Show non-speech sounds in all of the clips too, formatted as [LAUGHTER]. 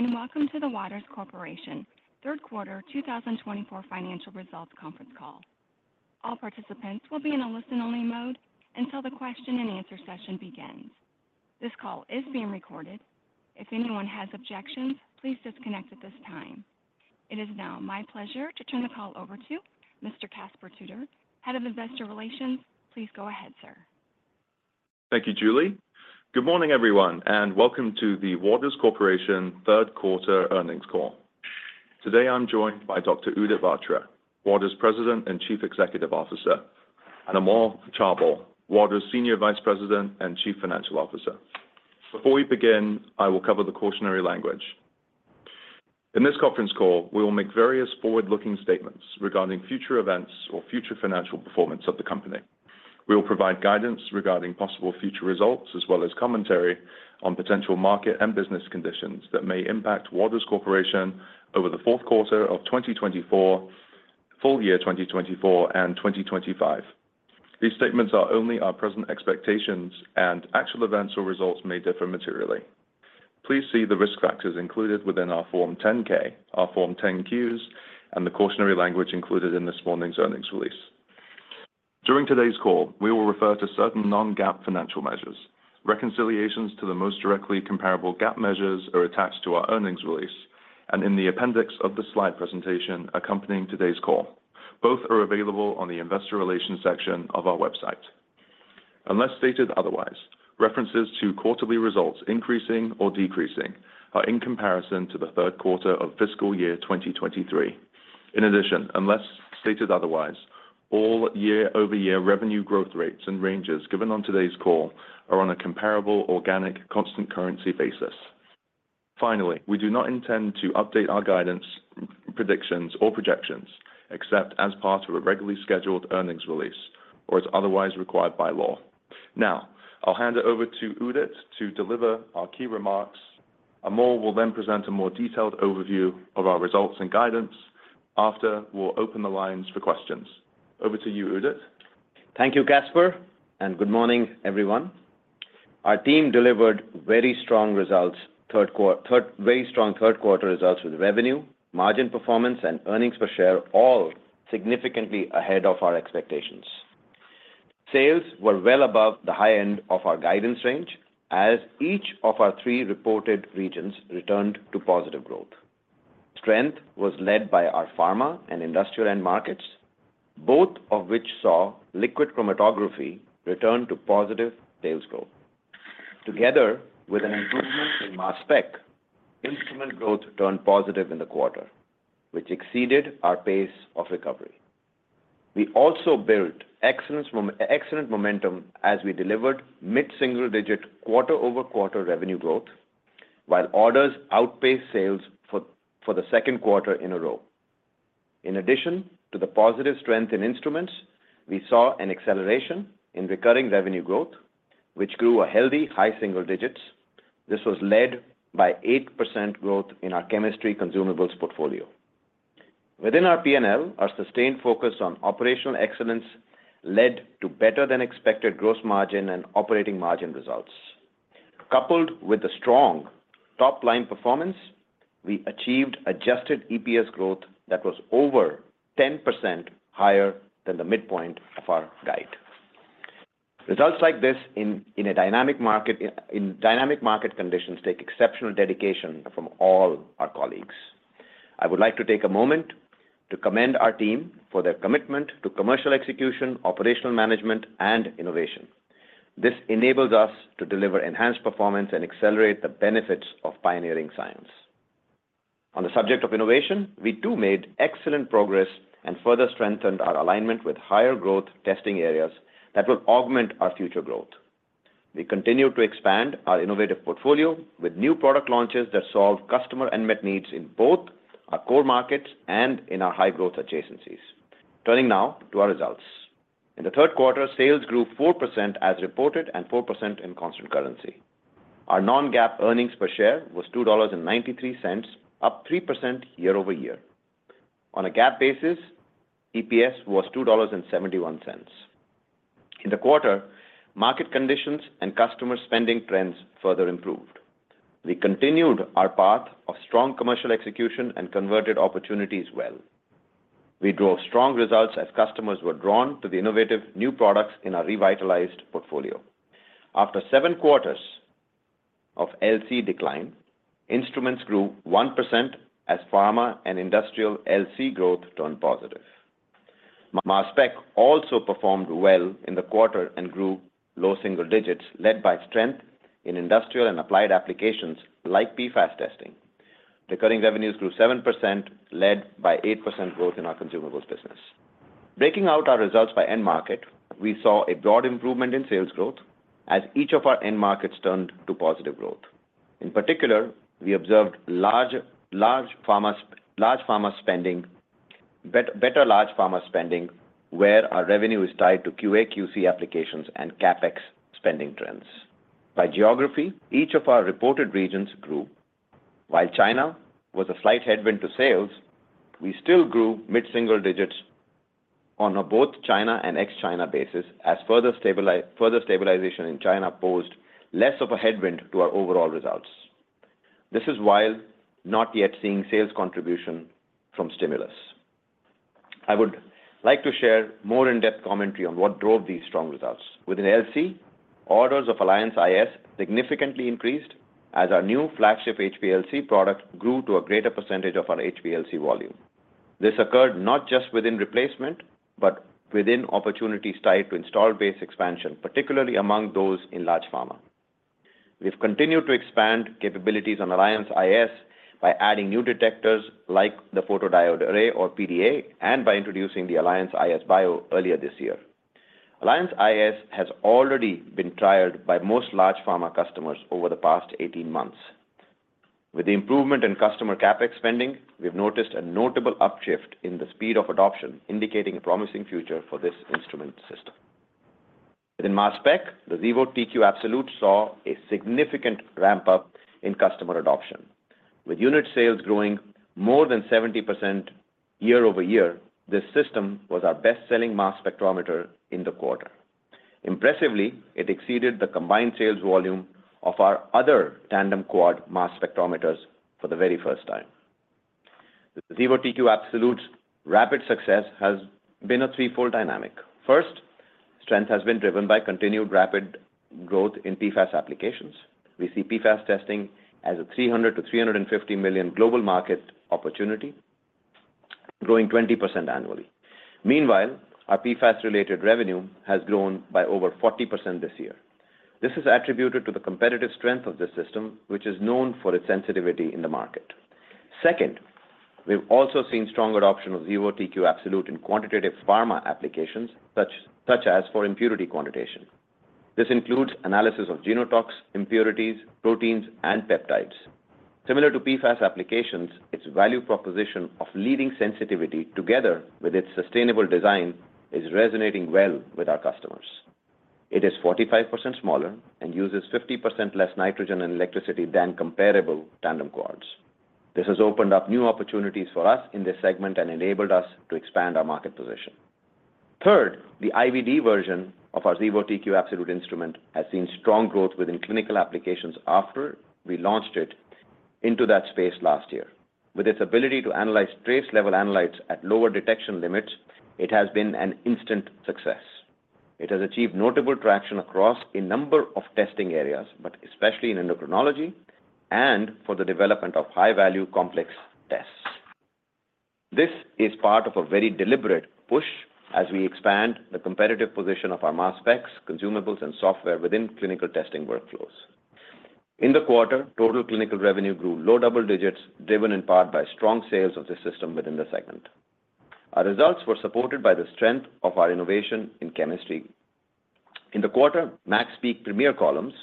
Good morning and welcome to the Waters Corporation Third Quarter 2024 financial results conference call. All participants will be in a listen-only mode until the question-and-answer session begins. This call is being recorded. If anyone has objections, please disconnect at this time. It is now my pleasure to turn the call over to Mr. Caspar Tudor, Head of Investor Relations. Please go ahead, sir. Thank you, Julie. Good morning, everyone, and welcome to the Waters Corporation third quarter earnings call. Today, I'm joined by Dr. Udit Batra, Waters President and Chief Executive Officer, and Amol Chaubal, Waters Senior Vice President and Chief Financial Officer. Before we begin, I will cover the cautionary language. In this conference call, we will make various forward-looking statements regarding future events or future financial performance of the company. We will provide guidance regarding possible future results, as well as commentary on potential market and business conditions that may impact Waters Corporation over the fourth quarter of 2024, full year 2024, and 2025. These statements are only our present expectations, and actual events or results may differ materially. Please see the risk factors included within our Form 10-K, our Form 10-Qs, and the cautionary language included in this morning's earnings release. During today's call, we will refer to certain non-GAAP financial measures. Reconciliations to the most directly comparable GAAP measures are attached to our earnings release and in the appendix of the slide presentation accompanying today's call. Both are available on the Investor Relations section of our website. Unless stated otherwise, references to quarterly results increasing or decreasing are in comparison to the third quarter of fiscal year 2023. In addition, unless stated otherwise, all year-over-year revenue growth rates and ranges given on today's call are on a comparable organic constant currency basis. Finally, we do not intend to update our guidance, predictions, or projections except as part of a regularly scheduled earnings release or as otherwise required by law. Now, I'll hand it over to Udit to deliver our key remarks. Amol will then present a more detailed overview of our results and guidance. that, we'll open the lines for questions. Over to you, Udit. Thank you, Caspar, and good morning, everyone. Our team delivered very strong results, very strong third-quarter results with revenue, margin performance, and earnings per share, all significantly ahead of our expectations. Sales were well above the high end of our guidance range as each of our three reported regions returned to positive growth. Strength was led by our pharma and industrial end markets, both of which saw liquid chromatography return to positive sales growth. Together with an improvement in mass spec, instrument growth turned positive in the quarter, which exceeded our pace of recovery. We also built excellent momentum as we delivered mid-single-digit quarter-over-quarter revenue growth, while orders outpaced sales for the second quarter in a row. In addition to the positive strength in instruments, we saw an acceleration in recurring revenue growth, which grew a healthy high single digits. This was led by 8% growth in our chemistry consumables portfolio. Within our P&L, our sustained focus on operational excellence led to better-than-expected gross margin and operating margin results. Coupled with the strong top-line performance, we achieved adjusted EPS growth that was over 10% higher than the midpoint of our guide. Results like this in dynamic market conditions take exceptional dedication from all our colleagues. I would like to take a moment to commend our team for their commitment to commercial execution, operational management, and innovation. This enables us to deliver enhanced performance and accelerate the benefits of pioneering science. On the subject of innovation, we too made excellent progress and further strengthened our alignment with higher growth testing areas that will augment our future growth. We continue to expand our innovative portfolio with new product launches that solve customer unmet needs in both our core markets and in our high-growth adjacencies. Turning now to our results. In the third quarter, sales grew 4% as reported and 4% in constant currency. Our non-GAAP earnings per share was $2.93, up 3% year-over-year. On a GAAP basis, EPS was $2.71. In the quarter, market conditions and customer spending trends further improved. We continued our path of strong commercial execution and converted opportunities well. We drove strong results as customers were drawn to the innovative new products in our revitalized portfolio. After seven quarters of LC decline, instruments grew 1% as pharma and industrial LC growth turned positive. Mass spec also performed well in the quarter and grew low single digits, led by strength in industrial and applied applications like PFAS testing. Recurring revenues grew 7%, led by 8% growth in our consumables business. Breaking out our results by end market, we saw a broad improvement in sales growth as each of our end markets turned to positive growth. In particular, we observed large pharma spending, better large pharma spending, where our revenue is tied to QA/QC applications and CapEx spending trends. By geography, each of our reported regions grew. While China was a slight headwind to sales, we still grew mid-single digits on a both China and ex-China basis as further stabilization in China posed less of a headwind to our overall results. This is while not yet seeing sales contribution from stimulus. I would like to share more in-depth commentary on what drove these strong results. Within LC, orders of Alliance iS significantly increased as our new flagship HPLC product grew to a greater percentage of our HPLC volume. This occurred not just within replacement but within opportunities tied to install-based expansion, particularly among those in large pharma. We have continued to expand capabilities on Alliance iS by adding new detectors like the photodiode array or PDA and by introducing the Alliance iS Bio earlier this year. Alliance iS has already been trialed by most large pharma customers over the past 18 months. With the improvement in customer CapEx spending, we've noticed a notable upshift in the speed of adoption, indicating a promising future for this instrument system. Within mass spec, the Xevo TQ Absolute saw a significant ramp-up in customer adoption. With unit sales growing more than 70% year-over-year, this system was our best-selling mass spectrometer in the quarter. Impressively, it exceeded the combined sales volume of our other tandem quad mass spectrometers for the very first time. The Xevo TQ Absolute's rapid success has been a threefold dynamic. First, strength has been driven by continued rapid growth in PFAS applications. We see PFAS testing as a $300-$350 million global market opportunity, growing 20% annually. Meanwhile, our PFAS-related revenue has grown by over 40% this year. This is attributed to the competitive strength of this system, which is known for its sensitivity in the market. Second, we've also seen strong adoption of Xevo TQ Absolute in quantitative pharma applications, such as for impurity quantitation. This includes analysis of genotox, impurities, proteins, and peptides. Similar to PFAS applications, its value proposition of leading sensitivity, together with its sustainable design, is resonating well with our customers. It is 45% smaller and uses 50% less nitrogen and electricity than comparable tandem quads. This has opened up new opportunities for us in this segment and enabled us to expand our market position. Third, the IVD version of our Xevo TQ Absolute instrument has seen strong growth within clinical applications after we launched it into that space last year. With its ability to analyze trace-level analytes at lower detection limits, it has been an instant success. It has achieved notable traction across a number of testing areas, but especially in endocrinology and for the development of high-value complex tests. This is part of a very deliberate push as we expand the competitive position of our mass specs, consumables, and software within clinical testing workflows. In the quarter, total clinical revenue grew low double digits, driven in part by strong sales of the system within the segment. Our results were supported by the strength of our innovation in chemistry. In the quarter, MaxPeak Premier columns,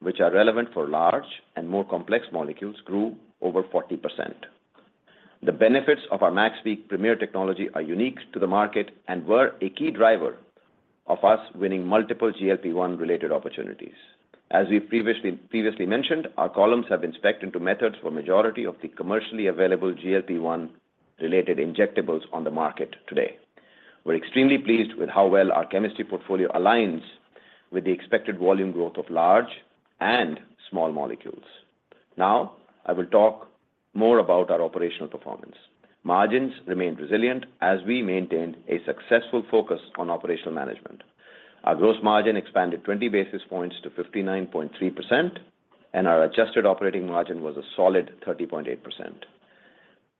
which are relevant for large and more complex molecules, grew over 40%. The benefits of our MaxPeak Premier technology are unique to the market and were a key driver of us winning multiple GLP-1-related opportunities. As we've previously mentioned, our columns have been spec'd into methods for the majority of the commercially available GLP-1-related injectables on the market today. We're extremely pleased with how well our chemistry portfolio aligns with the expected volume growth of large and small molecules. Now, I will talk more about our operational performance. Margins remained resilient as we maintained a successful focus on operational management. Our gross margin expanded 20 basis points to 59.3%, and our adjusted operating margin was a solid 30.8%.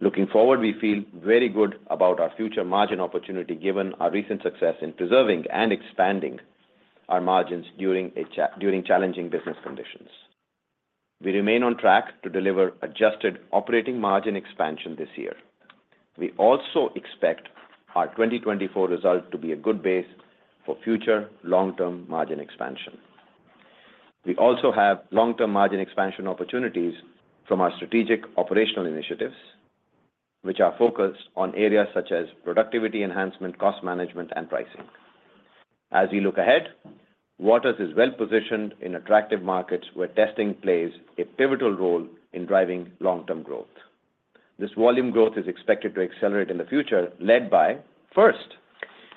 Looking forward, we feel very good about our future margin opportunity given our recent success in preserving and expanding our margins during challenging business conditions. We remain on track to deliver adjusted operating margin expansion this year. We also expect our 2024 result to be a good base for future long-term margin expansion. We also have long-term margin expansion opportunities from our strategic operational initiatives, which are focused on areas such as productivity enhancement, cost management, and pricing. As we look ahead, Waters is well positioned in attractive markets where testing plays a pivotal role in driving long-term growth. This volume growth is expected to accelerate in the future, led by, first,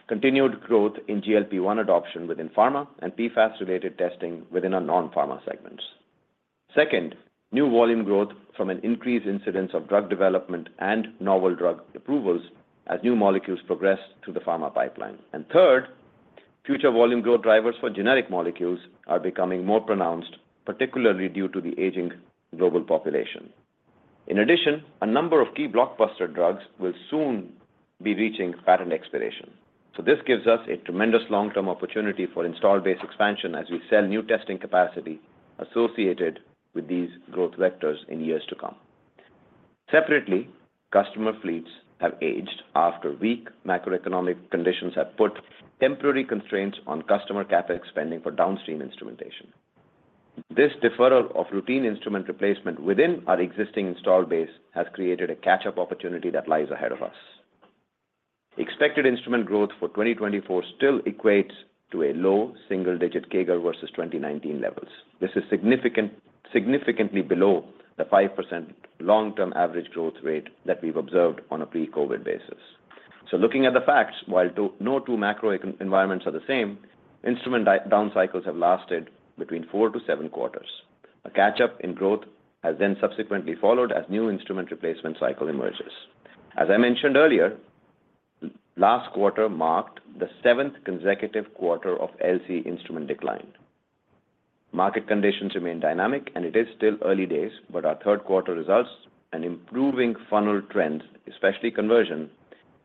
continued growth in GLP-1 adoption within pharma and PFAS-related testing within our non-pharma segments. Second, new volume growth from an increased incidence of drug development and novel drug approvals as new molecules progress through the pharma pipeline. And third, future volume growth drivers for generic molecules are becoming more pronounced, particularly due to the aging global population. In addition, a number of key blockbuster drugs will soon be reaching patent expiration. So this gives us a tremendous long-term opportunity for install-based expansion as we sell new testing capacity associated with these growth vectors in years to come. Separately, customer fleets have aged after weak macroeconomic conditions have put temporary constraints on customer CapEx spending for downstream instrumentation. This deferral of routine instrument replacement within our existing install base has created a catch-up opportunity that lies ahead of us. Expected instrument growth for 2024 still equates to a low single-digit CAGR versus 2019 levels. This is significantly below the 5% long-term average growth rate that we've observed on a pre-COVID basis. So looking at the facts, while no two macro environments are the same, instrument down cycles have lasted between four to seven quarters. A catch-up in growth has then subsequently followed as new instrument replacement cycle emerges. As I mentioned earlier, last quarter marked the seventh consecutive quarter of LC instrument decline. Market conditions remain dynamic, and it is still early days, but our third-quarter results and improving funnel trends, especially conversion,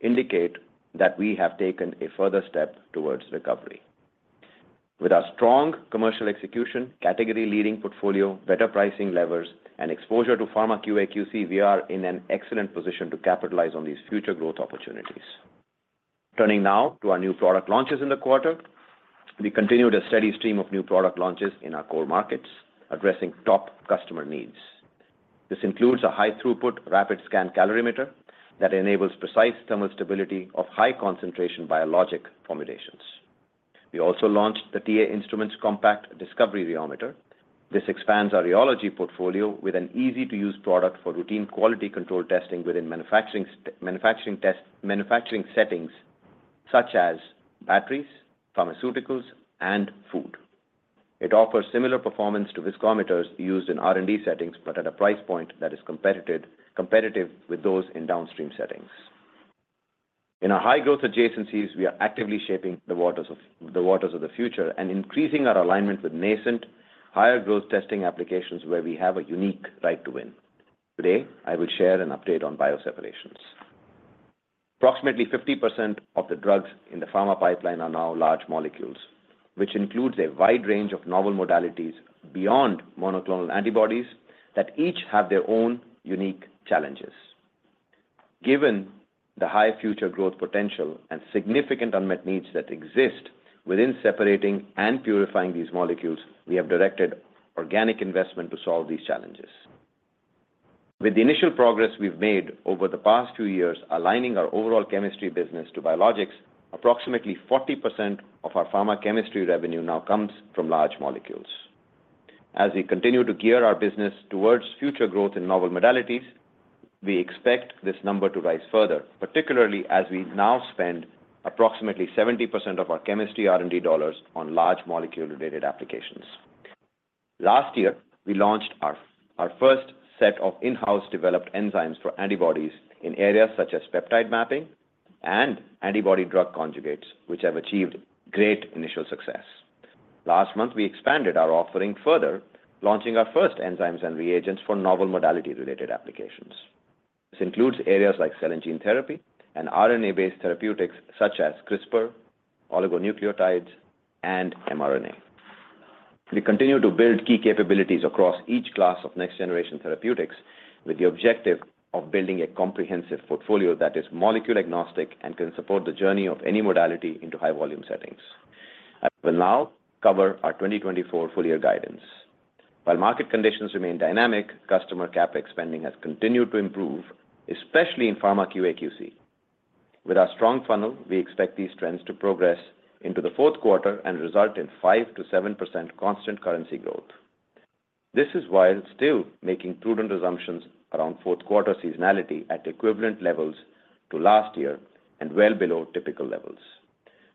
indicate that we have taken a further step towards recovery. With our strong commercial execution, category-leading portfolio, better pricing levers, and exposure to pharma QA/QC, we are in an excellent position to capitalize on these future growth opportunities. Turning now to our new product launches in the quarter, we continued a steady stream of new product launches in our core markets, addressing top customer needs. This includes a high-throughput rapid scan calorimeter that enables precise thermal stability of high-concentration biologic formulations. We also launched the TA Instruments Compact Discovery Rheometer. This expands our rheology portfolio with an easy-to-use product for routine quality control testing within manufacturing settings such as batteries, pharmaceuticals, and food. It offers similar performance to viscometers used in R&D settings but at a price point that is competitive with those in downstream settings. In our high-growth adjacencies, we are actively shaping the waters of the future and increasing our alignment with nascent, higher-growth testing applications where we have a unique right to win. Today, I will share an update on bioseparations. Approximately 50% of the drugs in the pharma pipeline are now large molecules, which includes a wide range of novel modalities beyond monoclonal antibodies that each have their own unique challenges. Given the high future growth potential and significant unmet needs that exist within separating and purifying these molecules, we have directed organic investment to solve these challenges. With the initial progress we've made over the past few years aligning our overall chemistry business to biologics, approximately 40% of our pharma chemistry revenue now comes from large molecules. As we continue to gear our business towards future growth in novel modalities, we expect this number to rise further, particularly as we now spend approximately 70% of our chemistry R&D dollars on large molecule-related applications. Last year, we launched our first set of in-house developed enzymes for antibodies in areas such as peptide mapping and antibody-drug conjugates, which have achieved great initial success. Last month, we expanded our offering further, launching our first enzymes and reagents for novel modality-related applications. This includes areas like cell and gene therapy and RNA-based therapeutics such as CRISPR, oligonucleotides, and mRNA. We continue to build key capabilities across each class of next-generation therapeutics with the objective of building a comprehensive portfolio that is molecule-agnostic and can support the journey of any modality into high-volume settings. I will now cover our 2024 full-year guidance. While market conditions remain dynamic, customer CapEx spending has continued to improve, especially in pharma QA/QC. With our strong funnel, we expect these trends to progress into the fourth quarter and result in 5%-7% constant currency growth. This is while still making prudent assumptions around fourth-quarter seasonality at equivalent levels to last year and well below typical levels.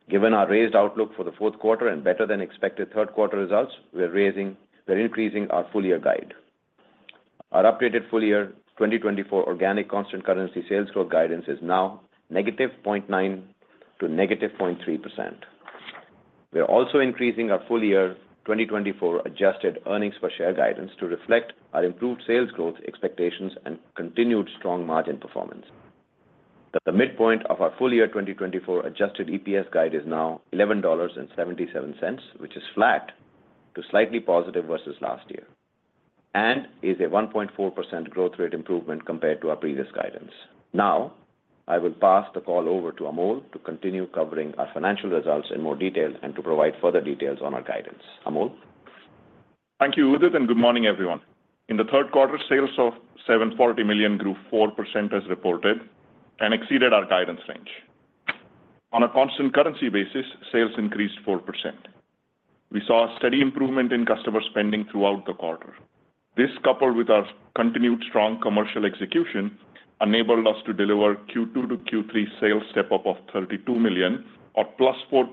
Given our raised outlook for the fourth quarter and better-than-expected third-quarter results, we're increasing our full-year guide. Our updated full-year 2024 organic constant currency sales growth guidance is now -0.9% to -0.3%. We're also increasing our full-year 2024 adjusted earnings-per-share guidance to reflect our improved sales growth expectations and continued strong margin performance. The midpoint of our full-year 2024 adjusted EPS guide is now $11.77, which is flat to slightly positive versus last year, and is a 1.4% growth rate improvement compared to our previous guidance. Now, I will pass the call over to Amol to continue covering our financial results in more detail and to provide further details on our guidance. Amol? Thank you, Udit, and good morning, everyone. In the third quarter, sales of $740 million grew 4% as reported and exceeded our guidance range. On a constant currency basis, sales increased 4%. We saw a steady improvement in customer spending throughout the quarter. This, coupled with our continued strong commercial execution, enabled us to deliver Q2 to Q3 sales step-up of $32 million, or plus 4%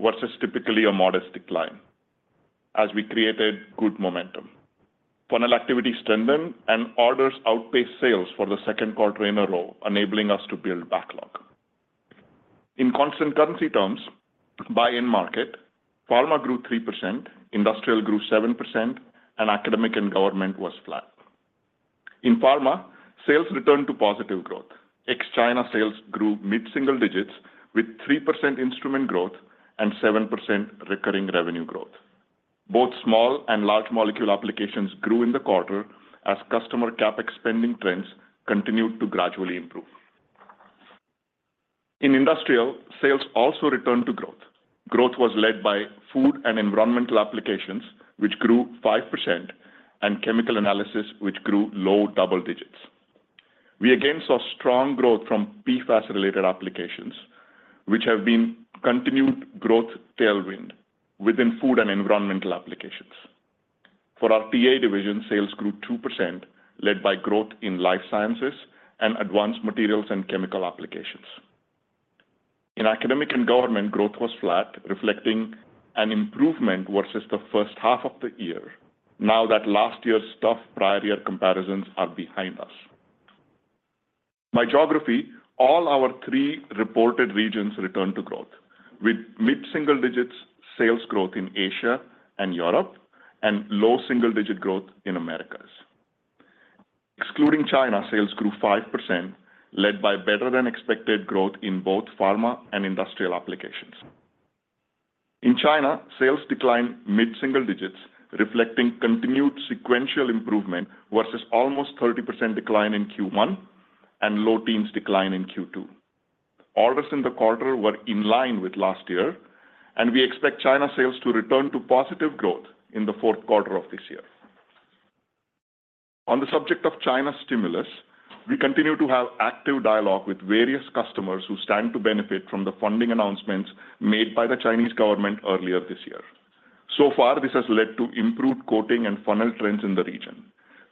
versus typically a modest decline, as we created good momentum. Funnel activity strengthened, and orders outpaced sales for the second quarter in a row, enabling us to build backlog. In constant currency terms, by end market, pharma grew 3%, industrial grew 7%, and academic and government was flat. In pharma, sales returned to positive growth. Ex-China sales grew mid-single digits with 3% instrument growth and 7% recurring revenue growth. Both small and large molecule applications grew in the quarter as customer CapEx spending trends continued to gradually improve. In industrial, sales also returned to growth. Growth was led by food and environmental applications, which grew 5%, and chemical analysis, which grew low double digits. We again saw strong growth from PFAS-related applications, which have been continued growth tailwind within food and environmental applications. For our TA division, sales grew 2%, led by growth in life sciences and advanced materials and chemical applications. In academic and government, growth was flat, reflecting an improvement versus the first half of the year, now that last year's tough prior-year comparisons are behind us. By geography, all our three reported regions returned to growth, with mid-single digits sales growth in Asia and Europe and low single-digit growth in the Americas. Excluding China, sales grew 5%, led by better-than-expected growth in both pharma and industrial applications. In China, sales declined mid-single digits, reflecting continued sequential improvement versus almost 30% decline in Q1 and low teens decline in Q2. Orders in the quarter were in line with last year, and we expect China sales to return to positive growth in the fourth quarter of this year. On the subject of China stimulus, we continue to have active dialogue with various customers who stand to benefit from the funding announcements made by the Chinese government earlier this year. So far, this has led to improved quoting and funnel trends in the region.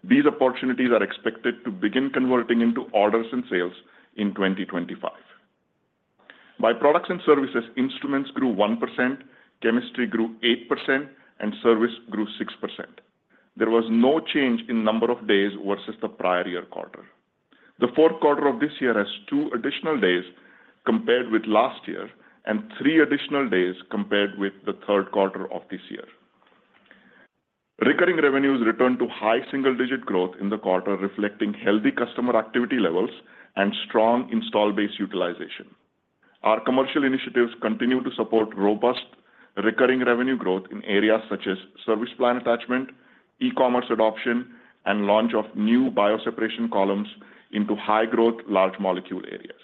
These opportunities are expected to begin converting into orders and sales in 2025. By products and services, instruments grew 1%, chemistry grew 8%, and service grew 6%. There was no change in number of days versus the prior-year quarter. The fourth quarter of this year has two additional days compared with last year and three additional days compared with the third quarter of this year. Recurring revenues returned to high single-digit growth in the quarter, reflecting healthy customer activity levels and strong installed-base utilization. Our commercial initiatives continue to support robust recurring revenue growth in areas such as service plan attachment, e-commerce adoption, and launch of new bioseparation columns into high-growth large molecule areas.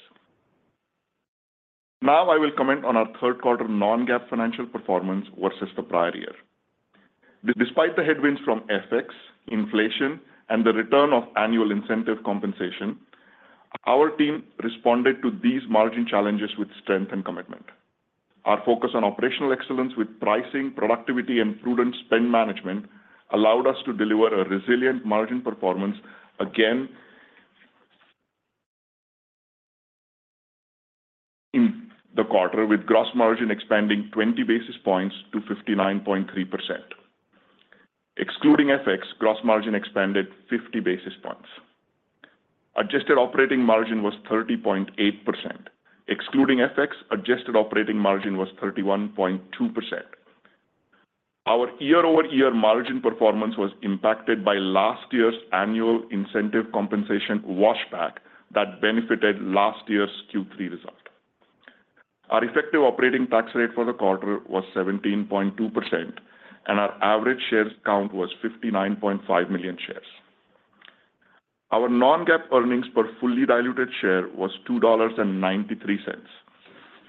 Now, I will comment on our third quarter non-GAAP financial performance versus the prior year. Despite the headwinds from FX, inflation, and the return of annual incentive compensation, our team responded to these margin challenges with strength and commitment. Our focus on operational excellence with pricing, productivity, and prudent spend management allowed us to deliver a resilient margin performance again in the quarter, with gross margin expanding 20 basis points to 59.3%. Excluding FX, gross margin expanded 50 basis points. Adjusted operating margin was 30.8%. Excluding FX, adjusted operating margin was 31.2%. Our year-over-year margin performance was impacted by last year's annual incentive compensation washback that benefited last year's Q3 result. Our effective operating tax rate for the quarter was 17.2%, and our average shares count was 59.5 million shares. Our non-GAAP earnings per fully diluted share was $2.93.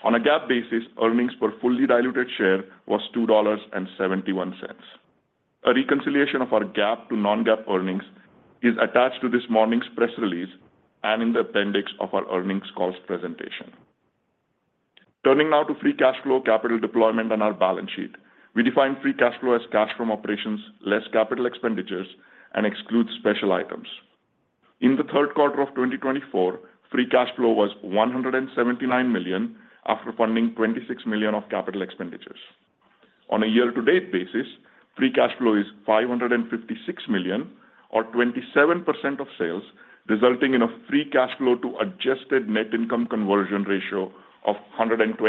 On a GAAP basis, earnings per fully diluted share was $2.71. A reconciliation of our GAAP to non-GAAP earnings is attached to this morning's press release and in the appendix of our earnings calls presentation. Turning now to free cash flow, capital deployment, and our balance sheet. We define free cash flow as cash from operations less capital expenditures and excludes special items. In the third quarter of 2024, free cash flow was $179 million after funding $26 million of capital expenditures. On a year-to-date basis, free cash flow is $556 million, or 27% of sales, resulting in a free cash flow to adjusted net income conversion ratio of 120%.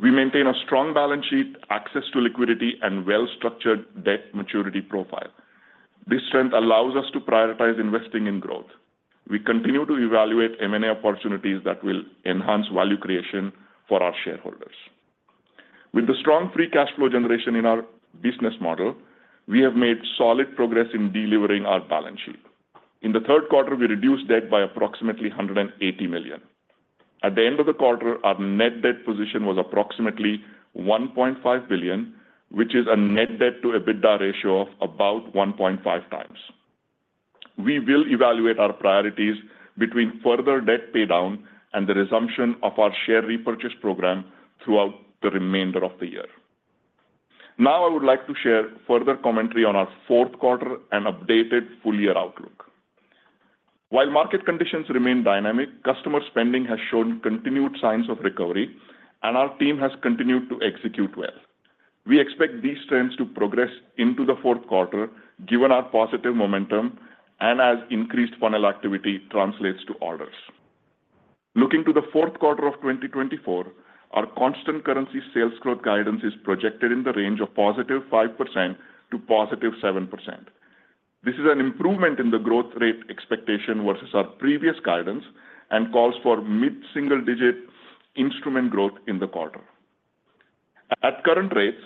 We maintain a strong balance sheet, access to liquidity, and well-structured debt maturity profile. This strength allows us to prioritize investing in growth. We continue to evaluate M&A opportunities that will enhance value creation for our shareholders. With the strong free cash flow generation in our business model, we have made solid progress in delivering our balance sheet. In the third quarter, we reduced debt by approximately $180 million. At the end of the quarter, our net debt position was approximately $1.5 billion, which is a net debt-to-EBITDA ratio of about 1.5x. We will evaluate our priorities between further debt paydown and the resumption of our share repurchase program throughout the remainder of the year. Now, I would like to share further commentary on our fourth quarter and updated full-year outlook. While market conditions remain dynamic, customer spending has shown continued signs of recovery, and our team has continued to execute well. We expect these trends to progress into the fourth quarter, given our positive momentum and as increased funnel activity translates to orders. Looking to the fourth quarter of 2024, our constant currency sales growth guidance is projected in the range of positive 5%-7%. This is an improvement in the growth rate expectation versus our previous guidance and calls for mid-single-digit instrument growth in the quarter. At current rates,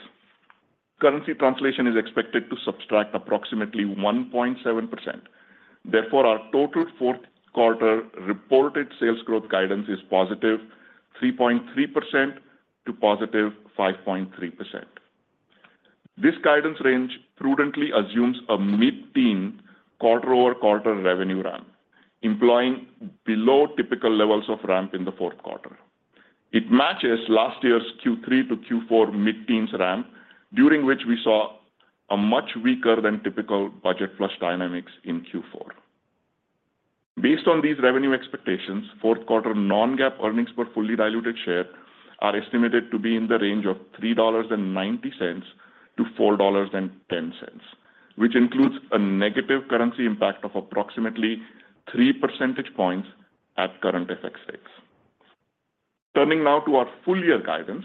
currency translation is expected to subtract approximately 1.7%. Therefore, our total fourth quarter reported sales growth guidance is positive 3.3%-5.3%. This guidance range prudently assumes a mid-teen quarter-over-quarter revenue ramp, employing below typical levels of ramp in the fourth quarter. It matches last year's Q3 to Q4 mid-teens ramp, during which we saw a much weaker-than-typical budget flush dynamics in Q4. Based on these revenue expectations, fourth quarter non-GAAP earnings per fully diluted share are estimated to be in the range of $3.90-$4.10, which includes a negative currency impact of approximately 3 percentage points at current FX rates. Turning now to our full-year guidance,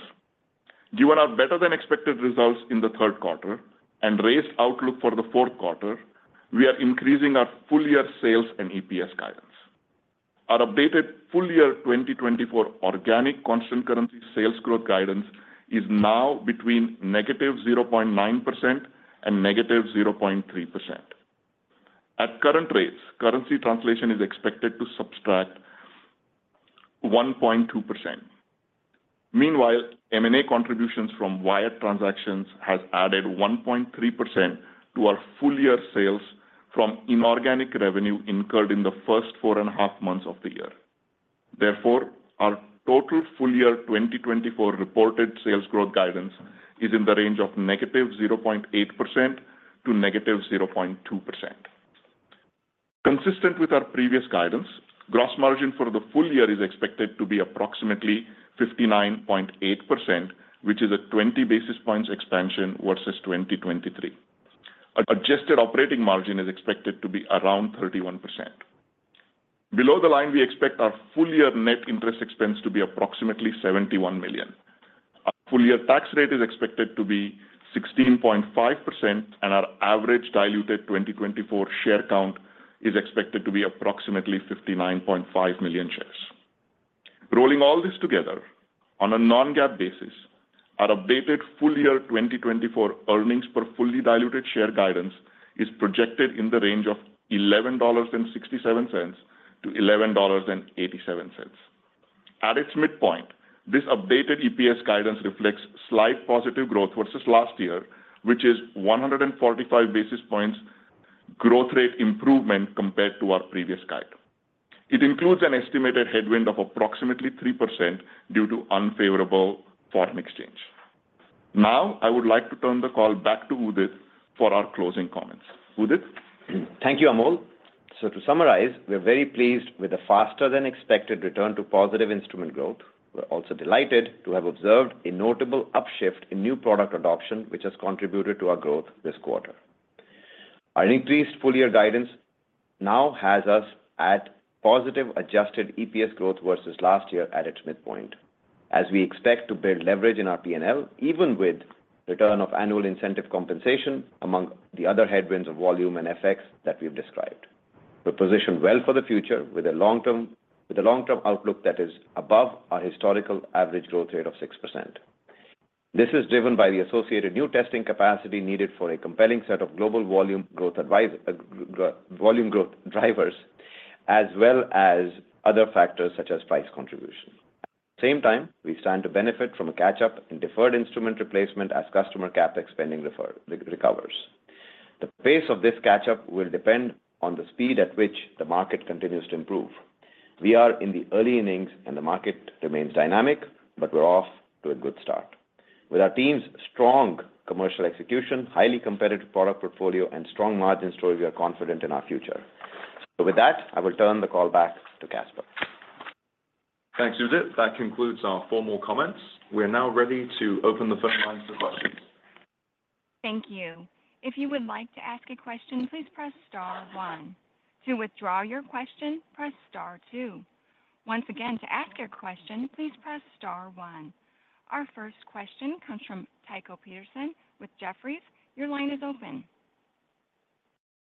given our better-than-expected results in the third quarter and raised outlook for the fourth quarter, we are increasing our full-year sales and EPS guidance. Our updated full-year 2024 organic constant currency sales growth guidance is now between -0.9% and -0.3%. At current rates, currency translation is expected to subtract 1.2%. Meanwhile, M&A contributions from Wyatt transactions have added 1.3% to our full-year sales from inorganic revenue incurred in the first four and a half months of the year. Therefore, our total full-year 2024 reported sales growth guidance is in the range of -0.8% to -0.2%. Consistent with our previous guidance, gross margin for the full year is expected to be approximately 59.8%, which is a 20 basis points expansion versus 2023. Adjusted operating margin is expected to be around 31%. Below the line, we expect our full-year net interest expense to be approximately $71 million. Our full-year tax rate is expected to be 16.5%, and our average diluted 2024 share count is expected to be approximately $59.5 million shares. Rolling all this together, on a non-GAAP basis, our updated full-year 2024 earnings per fully diluted share guidance is projected in the range of $11.67-$11.87. At its midpoint, this updated EPS guidance reflects slight positive growth versus last year, which is 145 basis points growth rate improvement compared to our previous guide. It includes an estimated headwind of approximately 3% due to unfavorable foreign exchange. Now, I would like to turn the call back to Udit for our closing comments. Udit? Thank you, Amol. So, to summarize, we're very pleased with the faster-than-expected return to positive instrument growth. We're also delighted to have observed a notable upshift in new product adoption, which has contributed to our growth this quarter. Our increased full-year guidance now has us at positive adjusted EPS growth versus last year at its midpoint, as we expect to build leverage in our P&L, even with return of annual incentive compensation among the other headwinds of volume and FX that we've described. We're positioned well for the future with a long-term outlook that is above our historical average growth rate of 6%. This is driven by the associated new testing capacity needed for a compelling set of global volume growth drivers, as well as other factors such as price contribution. At the same time, we stand to benefit from a catch-up in deferred instrument replacement as customer CapEx spending recovers. The pace of this catch-up will depend on the speed at which the market continues to improve. We are in the early innings, and the market remains dynamic, but we're off to a good start. With our team's strong commercial execution, highly competitive product portfolio, and strong margin story, we are confident in our future. So, with that, I will turn the call back to Caspar. Thanks, Udit. That concludes our formal comments. We are now ready to open the phone lines for questions. Thank you. If you would like to ask a question, please press star one. To withdraw your question, press star two. Once again, to ask a question, please press star one. Our first question comes from Tycho Peterson with Jefferies. Your line is open.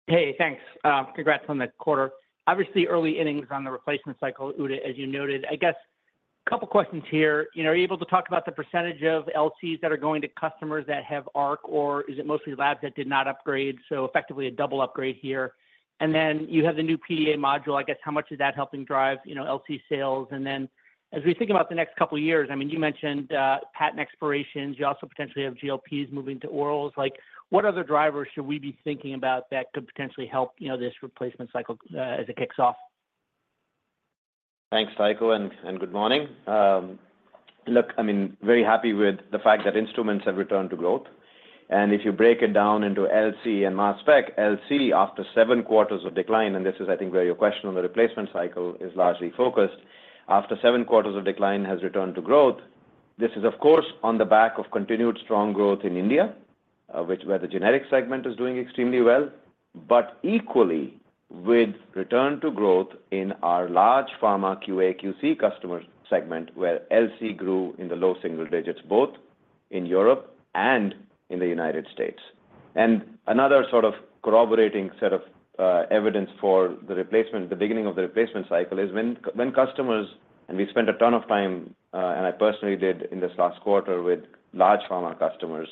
Hey, thanks. Congrats on the quarter. Obviously, early innings on the replacement cycle, Udit, as you noted. I guess a couple of questions here. Are you able to talk about the percentage of LCs that are going to customers that have Arc, or is it mostly labs that did not upgrade? So, effectively, a double upgrade here. And then you have the new PDA module. I guess how much is that helping drive LC sales? And then, as we think about the next couple of years, I mean, you mentioned patent expirations. You also potentially have GLPs moving to orals. What other drivers should we be thinking about that could potentially help this replacement cycle as it kicks off? Thanks, Tycho, and good morning. Look, I mean, very happy with the fact that instruments have returned to growth, and if you break it down into LC and mass spec, LC, after seven quarters of decline, and this is, I think, where your question on the replacement cycle is largely focused, after seven quarters of decline has returned to growth, this is, of course, on the back of continued strong growth in India, where the generic segment is doing extremely well, but equally with return to growth in our large pharma QA/QC customer segment, where LC grew in the low single digits, both in Europe and in the United States. And another sort of corroborating set of evidence for the beginning of the replacement cycle is when customers, and we spent a ton of time, and I personally did in this last quarter with large pharma customers,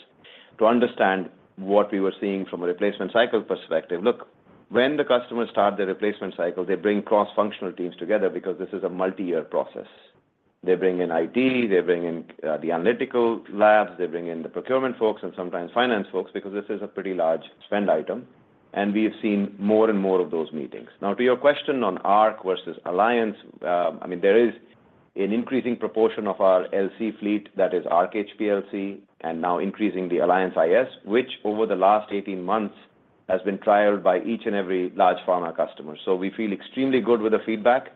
to understand what we were seeing from a replacement cycle perspective. Look, when the customers start their replacement cycle, they bring cross-functional teams together because this is a multi-year process. They bring in IT, they bring in the analytical labs, they bring in the procurement folks, and sometimes finance folks because this is a pretty large spend item. And we have seen more and more of those meetings. Now, to your question on Arc versus Alliance, I mean, there is an increasing proportion of our LC fleet that is Arc HPLC and now increasing the Alliance iS, which over the last 18 months has been trialed by each and every large pharma customer. We feel extremely good with the feedback.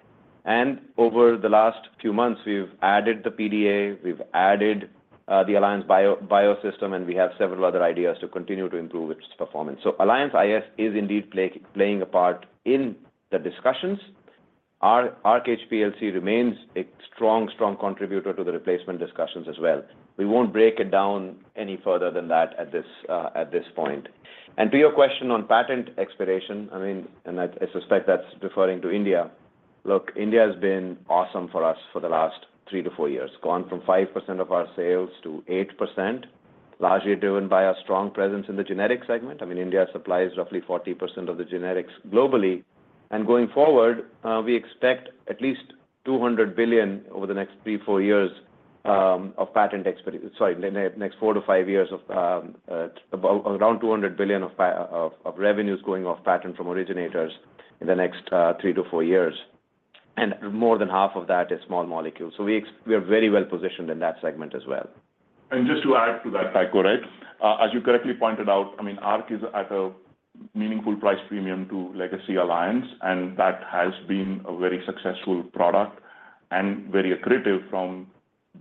Over the last few months, we've added the PDA, we've added the Alliance iS Bio, and we have several other ideas to continue to improve its performance. Alliance iS is indeed playing a part in the discussions. Arc HPLC remains a strong, strong contributor to the replacement discussions as well. We won't break it down any further than that at this point. To your question on patent expiration, I mean, I suspect that's referring to India. Look, India has been awesome for us for the last three to four years, gone from 5% of our sales to 8%, largely driven by our strong presence in the generic segment. I mean, India supplies roughly 40% of the generics globally. Going forward, we expect at least $200 billion over the next three, four years of patent expiry, sorry, next four to five years of around $200 billion of revenues going off patent from originators in the next three to four years. And more than half of that is small molecules. We are very well positioned in that segment as well. Just to add to that, Tycho, right? As you correctly pointed out, I mean, Arc is at a meaningful price premium to legacy Alliance, and that has been a very successful product and very accretive from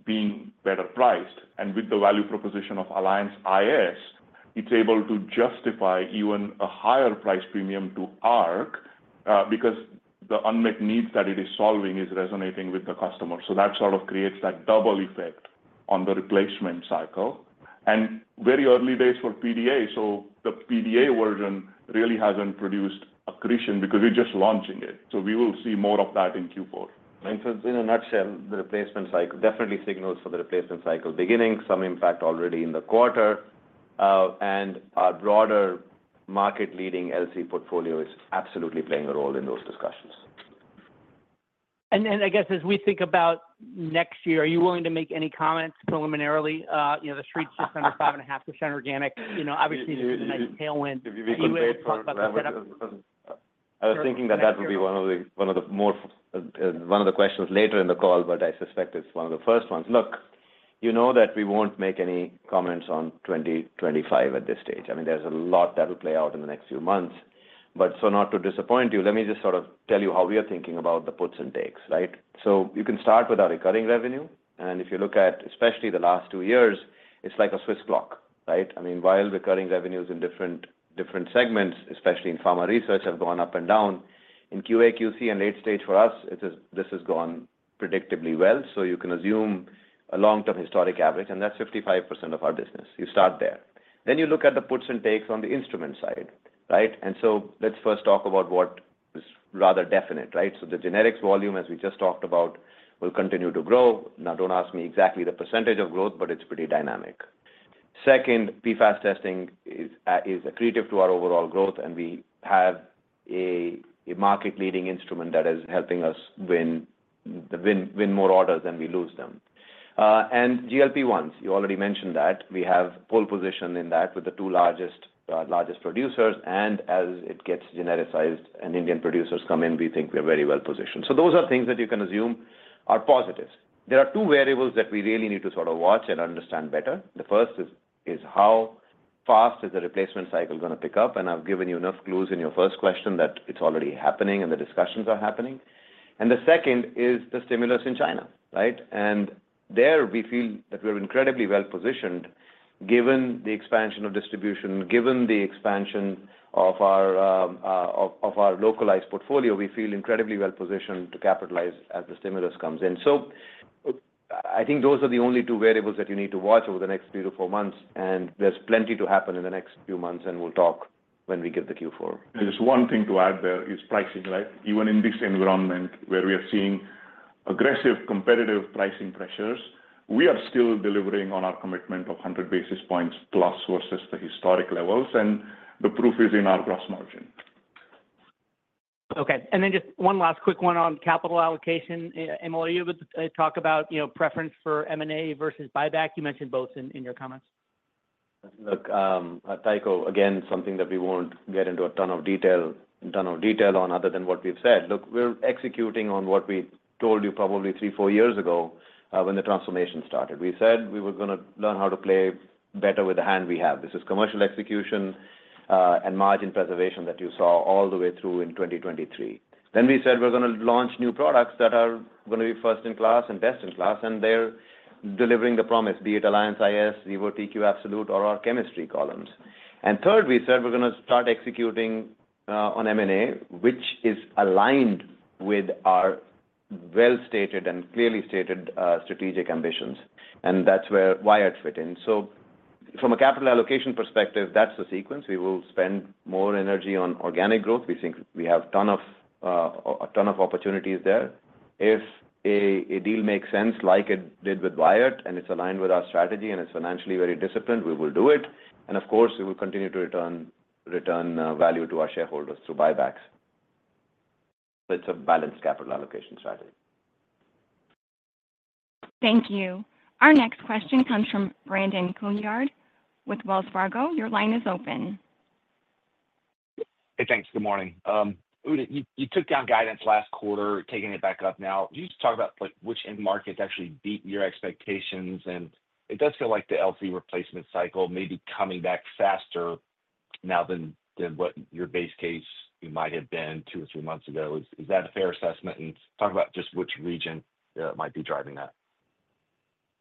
being better priced. And with the value proposition of Alliance iS, it is able to justify even a higher price premium to Arc because the unmet needs that it is solving are resonating with the customer. That sort of creates that double effect on the replacement cycle. And very early days for PDA, so the PDA version really hasn't produced accretion because we're just launching it. So, we will see more of that in Q4. In a nutshell, the replacement cycle definitely signals for the replacement cycle beginning, some impact already in the quarter, and our broader market-leading LC portfolio is absolutely playing a role in those discussions. And I guess as we think about next year, are you willing to make any comments preliminarily? The street's just under 5.5% organic. Obviously, [CROSSTALK] tailwind. I was thinking that that would be one of the more, one of the questions later in the call, but I suspect it's one of the first ones. Look, you know that we won't make any comments on 2025 at this stage. I mean, there's a lot that will play out in the next few months. But so, not to disappoint you, let me just sort of tell you how we are thinking about the puts and takes, right? So, you can start with our recurring revenue. And if you look at especially the last two years, it's like a Swiss clock, right? I mean, while recurring revenues in different segments, especially in pharma research, have gone up and down, in QA/QC and late stage for us, this has gone predictably well. So, you can assume a long-term historic average, and that's 55% of our business. You start there. Then you look at the puts and takes on the instrument side, right? And so, let's first talk about what is rather definite, right? So, the generics volume, as we just talked about, will continue to grow. Now, don't ask me exactly the percentage of growth, but it's pretty dynamic. Second, PFAS testing is accretive to our overall growth, and we have a market-leading instrument that is helping us win more orders than we lose them. GLP-1s, you already mentioned that. We have a pole position in that with the two largest producers. As it gets genericized and Indian producers come in, we think we're very well positioned. Those are things that you can assume are positives. There are two variables that we really need to sort of watch and understand better. The first is how fast is the replacement cycle going to pick up? I've given you enough clues in your first question that it's already happening and the discussions are happening. The second is the stimulus in China, right? There, we feel that we're incredibly well positioned given the expansion of distribution, given the expansion of our localized portfolio. We feel incredibly well positioned to capitalize as the stimulus comes in. So, I think those are the only two variables that you need to watch over the next three to four months. And there's plenty to happen in the next few months, and we'll talk when we give the Q4. There's one thing to add there is pricing, right? Even in this environment where we are seeing aggressive competitive pricing pressures, we are still delivering on our commitment of 100 basis points plus versus the historic levels. And the proof is in our gross margin. Okay. And then just one last quick one on capital allocation. Amol, are you able to talk about preference for M&A versus buyback? You mentioned both in your comments. Look, Tycho, again, something that we won't get into a ton of detail on other than what we've said. Look, we're executing on what we told you probably three, four years ago when the transformation started. We said we were going to learn how to play better with the hand we have. This is commercial execution and margin preservation that you saw all the way through in 2023, then we said we're going to launch new products that are going to be first in class and best in class, and they're delivering the promise, be it Alliance iS, Xevo, TQ Absolute, or our chemistry columns, and third, we said we're going to start executing on M&A, which is aligned with our well-stated and clearly stated strategic ambitions, and that's where it fit in, so, from a capital allocation perspective, that's the sequence. We will spend more energy on organic growth. We think we have a ton of opportunities there. If a deal makes sense like it did with Wyatt, and it's aligned with our strategy, and it's financially very disciplined, we will do it. And of course, we will continue to return value to our shareholders through buybacks. It's a balanced capital allocation strategy. Thank you. Our next question comes from Brandon Couillard with Wells Fargo. Your line is open. Hey, thanks. Good morning. Udit, you took down guidance last quarter, taking it back up now. Can you just talk about which end markets actually beat your expectations? And it does feel like the LC replacement cycle may be coming back faster now than what your base case might have been two or three months ago. Is that a fair assessment? And talk about just which region might be driving that.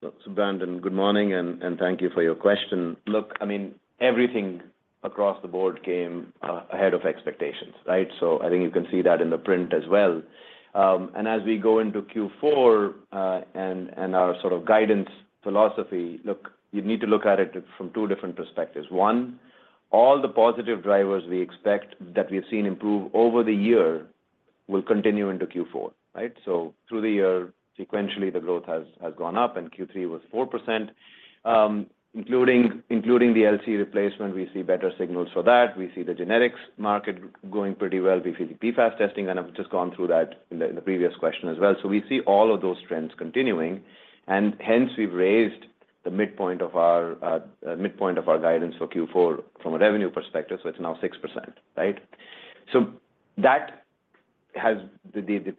Look, Brandon, good morning, and thank you for your question. Look, I mean, everything across the board came ahead of expectations, right? So, I think you can see that in the print as well. And as we go into Q4 and our sort of guidance philosophy, look, you need to look at it from two different perspectives. One, all the positive drivers we expect that we have seen improve over the year will continue into Q4, right? So, through the year, sequentially, the growth has gone up, and Q3 was 4%. Including the LC replacement, we see better signals for that. We see the generics market going pretty well. We see the PFAS testing, and I've just gone through that in the previous question as well. So, we see all of those trends continuing. And hence, we've raised the midpoint of our guidance for Q4 from a revenue perspective. So, it's now 6%, right? So, the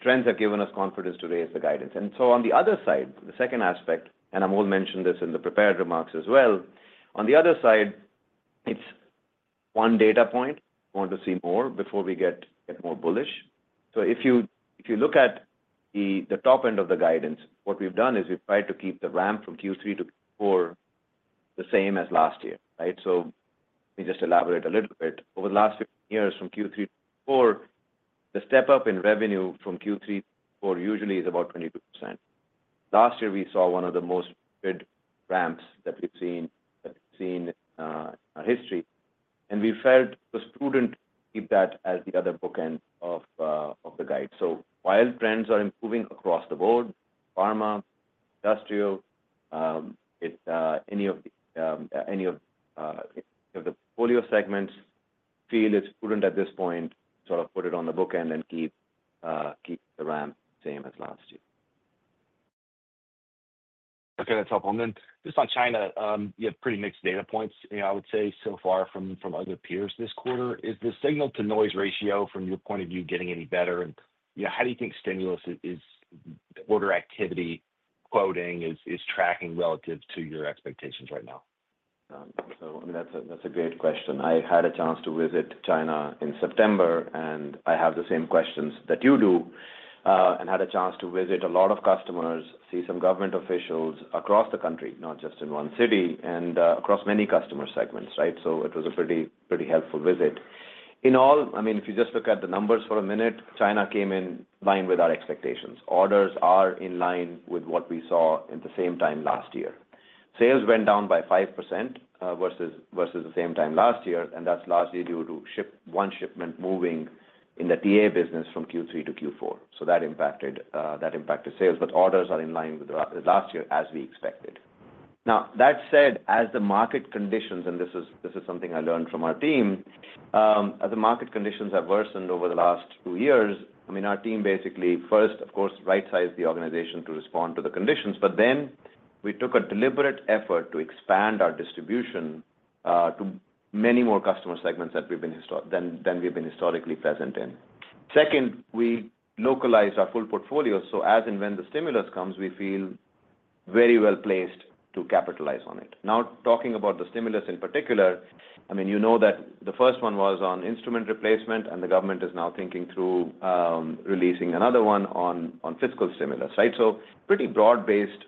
trends have given us confidence to raise the guidance. And so, on the other side, the second aspect, and Amol mentioned this in the prepared remarks as well, on the other side, it's one data point. We want to see more before we get more bullish. So, if you look at the top end of the guidance, what we've done is we've tried to keep the ramp from Q3 to Q4 the same as last year, right? So, let me just elaborate a little bit. Over the last 15 years from Q3 to Q4, the step up in revenue from Q3 to Q4 usually is about 22%. Last year, we saw one of the most good ramps that we've seen in our history. And we felt it was prudent to keep that as the other bookend of the guide. So, while trends are improving across the board, pharma, industrial, any of the portfolio segments feel it's prudent at this point to sort of put it on the bookend and keep the ramp the same as last year. Okay, that's helpful. And then just on China, you have pretty mixed data points, I would say, so far from other peers this quarter. Is the signal-to-noise ratio from your point of view getting any better? And how do you think stimulus is order activity, quoting, is tracking relative to your expectations right now? So, I mean, that's a great question. I had a chance to visit China in September, and I have the same questions that you do, and had a chance to visit a lot of customers, see some government officials across the country, not just in one city, and across many customer segments, right? It was a pretty helpful visit. In all, I mean, if you just look at the numbers for a minute, China came in line with our expectations. Orders are in line with what we saw at the same time last year. Sales went down by 5% versus the same time last year, and that's largely due to one shipment moving in the TA business from Q3 to Q4. That impacted sales, but orders are in line with last year as we expected. Now, that said, as the market conditions, and this is something I learned from our team, as the market conditions have worsened over the last two years, I mean, our team basically first, of course, right-sized the organization to respond to the conditions, but then we took a deliberate effort to expand our distribution to many more customer segments than we've been historically present in. Second, we localized our full portfolio. So, as and when the stimulus comes, we feel very well placed to capitalize on it. Now, talking about the stimulus in particular, I mean, you know that the first one was on instrument replacement, and the government is now thinking through releasing another one on fiscal stimulus, right? So, pretty broad-based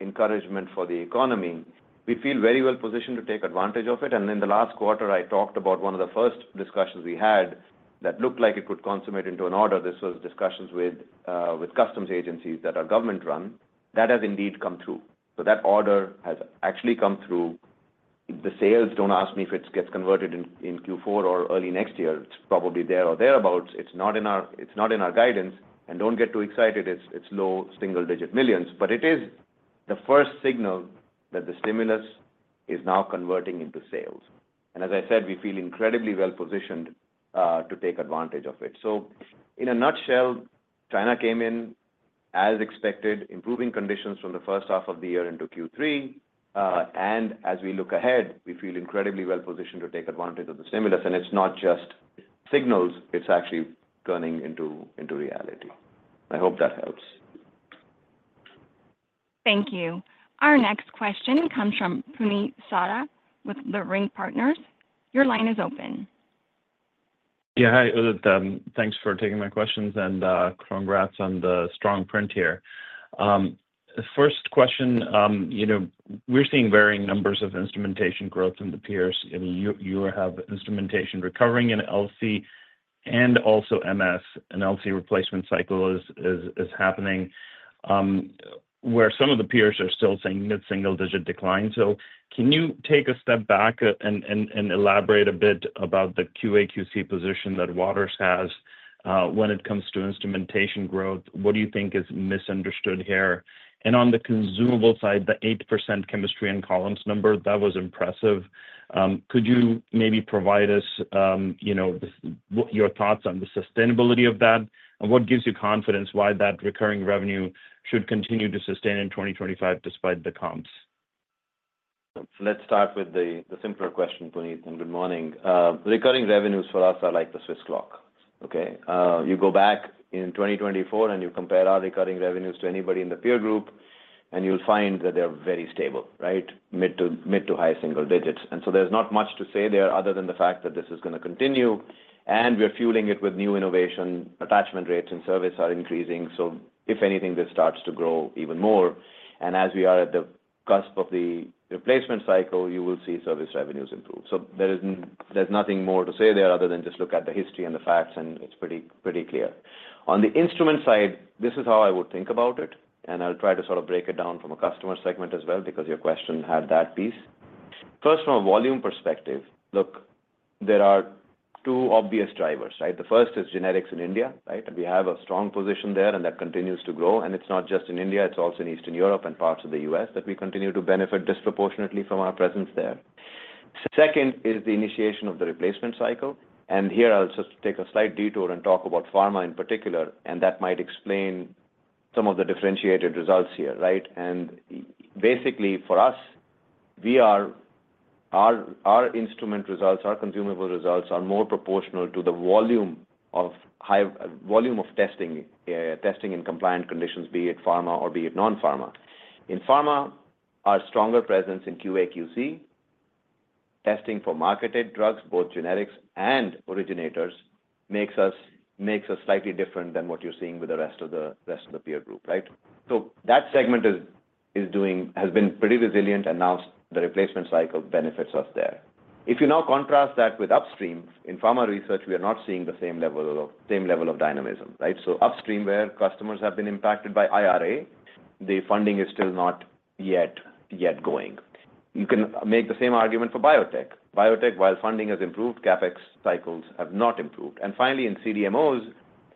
encouragement for the economy. We feel very well positioned to take advantage of it. And then the last quarter, I talked about one of the first discussions we had that looked like it could consummate into an order. This was discussions with customs agencies that are government-run. That has indeed come through. So, that order has actually come through. The sales, don't ask me if it gets converted in Q4 or early next year. It's probably there or thereabouts. It's not in our guidance. And don't get too excited. It's low single-digit millions, but it is the first signal that the stimulus is now converting into sales, and as I said, we feel incredibly well positioned to take advantage of it, so in a nutshell, China came in as expected, improving conditions from the first half of the year into Q3, and as we look ahead, we feel incredibly well positioned to take advantage of the stimulus, and it's not just signals. It's actually turning into reality. I hope that helps. Thank you. Our next question comes from Puneet Souda with Leerink Partners. Your line is open. Yeah, hi. Thanks for taking my questions and congrats on the strong print here. First question, we're seeing varying numbers of instrumentation growth in the peers. You have instrumentation recovering in LC and also MS. An LC replacement cycle is happening where some of the peers are still seeing mid-single-digit decline. Can you take a step back and elaborate a bit about the QA/QC position that Waters has when it comes to instrumentation growth? What do you think is misunderstood here? And on the consumable side, the 8% chemistry and columns number, that was impressive. Could you maybe provide us your thoughts on the sustainability of that? And what gives you confidence why that recurring revenue should continue to sustain in 2025 despite the comps? Let's start with the simpler question, Puneet. And good morning. The recurring revenues for us are like the Swiss clock, okay? You go back in 2024 and you compare our recurring revenues to anybody in the peer group, and you'll find that they're very stable, right? Mid- to high-single-digits. And so, there's not much to say there other than the fact that this is going to continue, and we're fueling it with new innovation. Attachment rates and service are increasing. So, if anything, this starts to grow even more. And as we are at the cusp of the replacement cycle, you will see service revenues improve. So, there's nothing more to say there other than just look at the history and the facts, and it's pretty clear. On the instrument side, this is how I would think about it. And I'll try to sort of break it down from a customer segment as well because your question had that piece. First, from a volume perspective, look, there are two obvious drivers, right? The first is generics in India, right? And we have a strong position there, and that continues to grow. And it's not just in India. It's also in Eastern Europe and parts of the U.S. that we continue to benefit disproportionately from our presence there. Second is the initiation of the replacement cycle, and here, I'll just take a slight detour and talk about pharma in particular, and that might explain some of the differentiated results here, right, and basically, for us, our instrument results, our consumable results are more proportional to the volume of testing in compliant conditions, be it pharma or be it non-pharma. In pharma, our stronger presence in QA/QC testing for marketed drugs, both generics and originators, makes us slightly different than what you're seeing with the rest of the peer group, right, so that segment has been pretty resilient, and now the replacement cycle benefits us there. If you now contrast that with upstream, in pharma research, we are not seeing the same level of dynamism, right? Upstream where customers have been impacted by IRA, the funding is still not yet going. You can make the same argument for biotech. Biotech, while funding has improved, CapEx cycles have not improved. Finally, in CDMOs,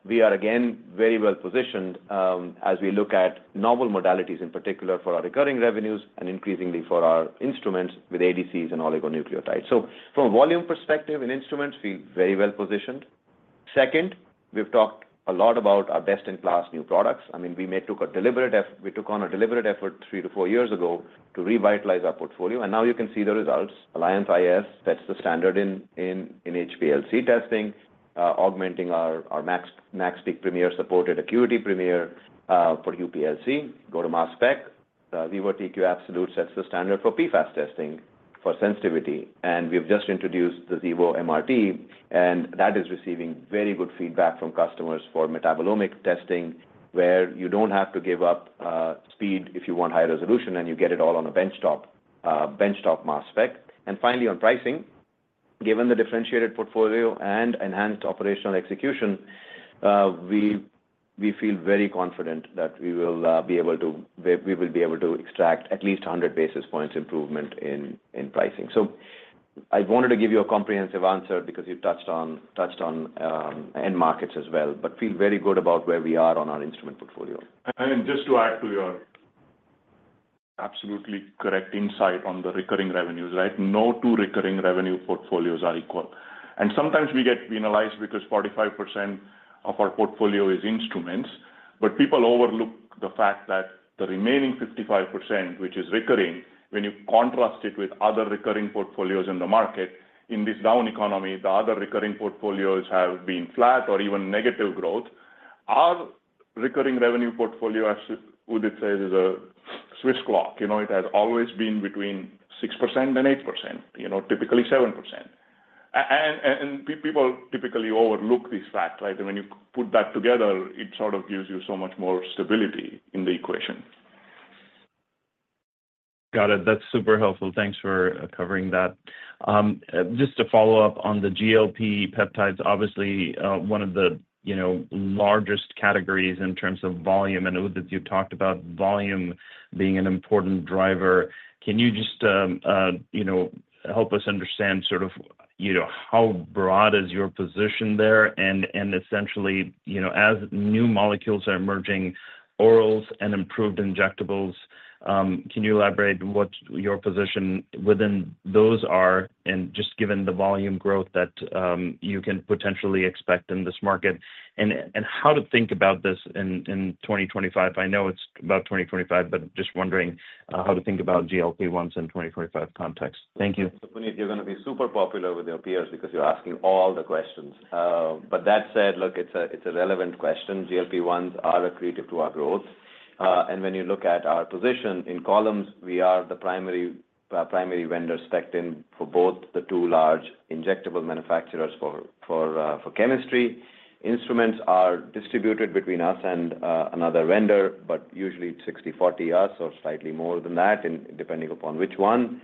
we are again very well positioned as we look at novel modalities in particular for our recurring revenues and increasingly for our instruments with ADCs and oligonucleotides. From a volume perspective in instruments, we're very well positioned. Second, we've talked a lot about our best-in-class new products. I mean, we took on a deliberate effort three to four years ago to revitalize our portfolio. Now you can see the results. Alliance iS sets the standard in HPLC testing, augmenting our MaxPeak Premier supported by ACQUITY Premier for UPLC. Go to mass spec. Xevo TQ Absolute sets the standard for PFAS testing for sensitivity. And we've just introduced the Xevo MRT, and that is receiving very good feedback from customers for metabolomic testing where you don't have to give up speed if you want high resolution, and you get it all on a benchtop Mass Spec. And finally, on pricing, given the differentiated portfolio and enhanced operational execution, we feel very confident that we will be able to extract at least 100 basis points improvement in pricing. So, I wanted to give you a comprehensive answer because you touched on end markets as well, but feel very good about where we are on our instrument portfolio. And just to add to your absolutely correct insight on the recurring revenues, right? No two recurring revenue portfolios are equal. And sometimes we get penalized because 45% of our portfolio is instruments, but people overlook the fact that the remaining 55%, which is recurring, when you contrast it with other recurring portfolios in the market, in this down economy, the other recurring portfolios have been flat or even negative growth. Our recurring revenue portfolio, as Udit says, is a Swiss clock. It has always been between 6% and 8%, typically 7%. And people typically overlook this fact, right? And when you put that together, it sort of gives you so much more stability in the equation. Got it. That's super helpful. Thanks for covering that. Just to follow up on the GLP peptides, obviously one of the largest categories in terms of volume, and Udit, you've talked about volume being an important driver. Can you just help us understand sort of how broad is your position there? Essentially, as new molecules are emerging, orals and improved injectables, can you elaborate what your position within those are and just given the volume growth that you can potentially expect in this market? How to think about this in 2025? I know it's about 2025, but just wondering how to think about GLP-1s in 2025 context. Thank you. Puneet, you're going to be super popular with your peers because you're asking all the questions. But that said, look, it's a relevant question. GLP-1s are a key driver to our growth. When you look at our position in columns, we are the primary vendor spec'd in for both the two large injectable manufacturers for chemistry. Instruments are distributed between us and another vendor, but usually 60/40 us or slightly more than that, depending upon which one.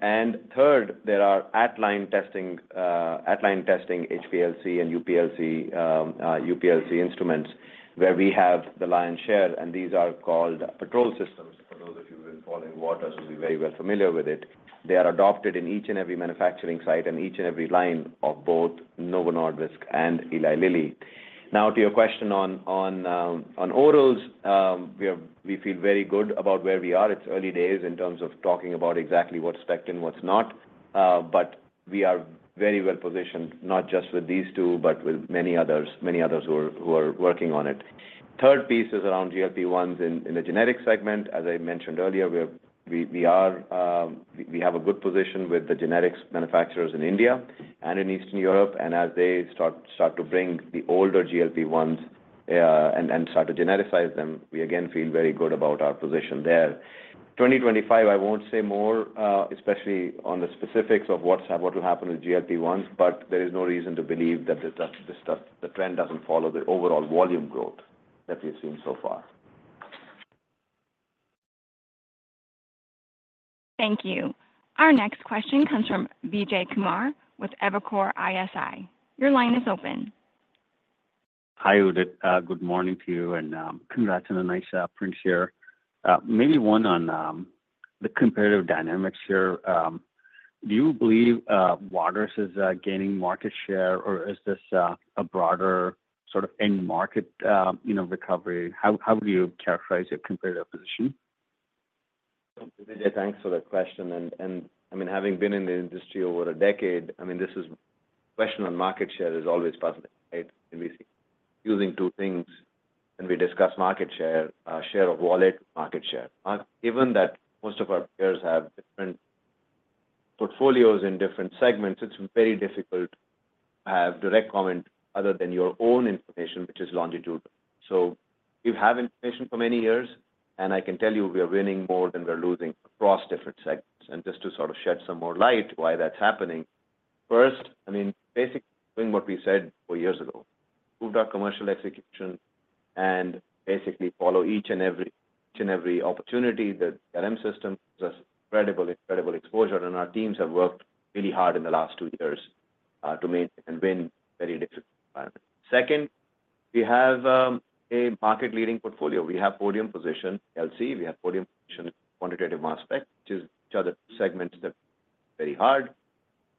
And third, there are at-line testing HPLC and UPLC instruments where we have the lion's share. And these are called Patrol systems. For those of you who've been following Waters, you'll be very well familiar with it. They are adopted in each and every manufacturing site and each and every line of both Novo Nordisk and Eli Lilly. Now, to your question on orals, we feel very good about where we are. It's early days in terms of talking about exactly what's spec'd in, what's not. But we are very well positioned, not just with these two, but with many others who are working on it. Third piece is around GLP-1s in the generic segment. As I mentioned earlier, we have a good position with the generics manufacturers in India and in Eastern Europe. As they start to bring the older GLP-1s and start to genericize them, we again feel very good about our position there. 2025, I won't say more, especially on the specifics of what will happen with GLP-1s, but there is no reason to believe that the trend doesn't follow the overall volume growth that we've seen so far. Thank you. Our next question comes from Vijay Kumar with Evercore ISI. Your line is open. Hi, Udit. Good morning to you. And congrats on a nice print here. Maybe one on the comparative dynamics here. Do you believe Waters is gaining market share, or is this a broader sort of end market recovery? How would you characterize your comparative position? Vijay, thanks for the question. And I mean, having been in the industry over a decade, I mean, this question on market share is always puzzling, right? And we see using two things, and we discuss market share, share of wallet, market share. Given that most of our peers have different portfolios in different segments, it's very difficult to have direct comment other than your own information, which is longitudinal. So we've had information for many years, and I can tell you we are winning more than we're losing across different segments. And just to sort of shed some more light on why that's happening, first, I mean, basically doing what we said four years ago, improve our commercial execution, and basically follow each and every opportunity. The CRM system gives us incredible exposure, and our teams have worked really hard in the last two years to maintain and win very difficult environments. Second, we have a market-leading portfolio. We have podium position, LC. We have podium position, quantitative mass spec, which are the two segments that are very hard.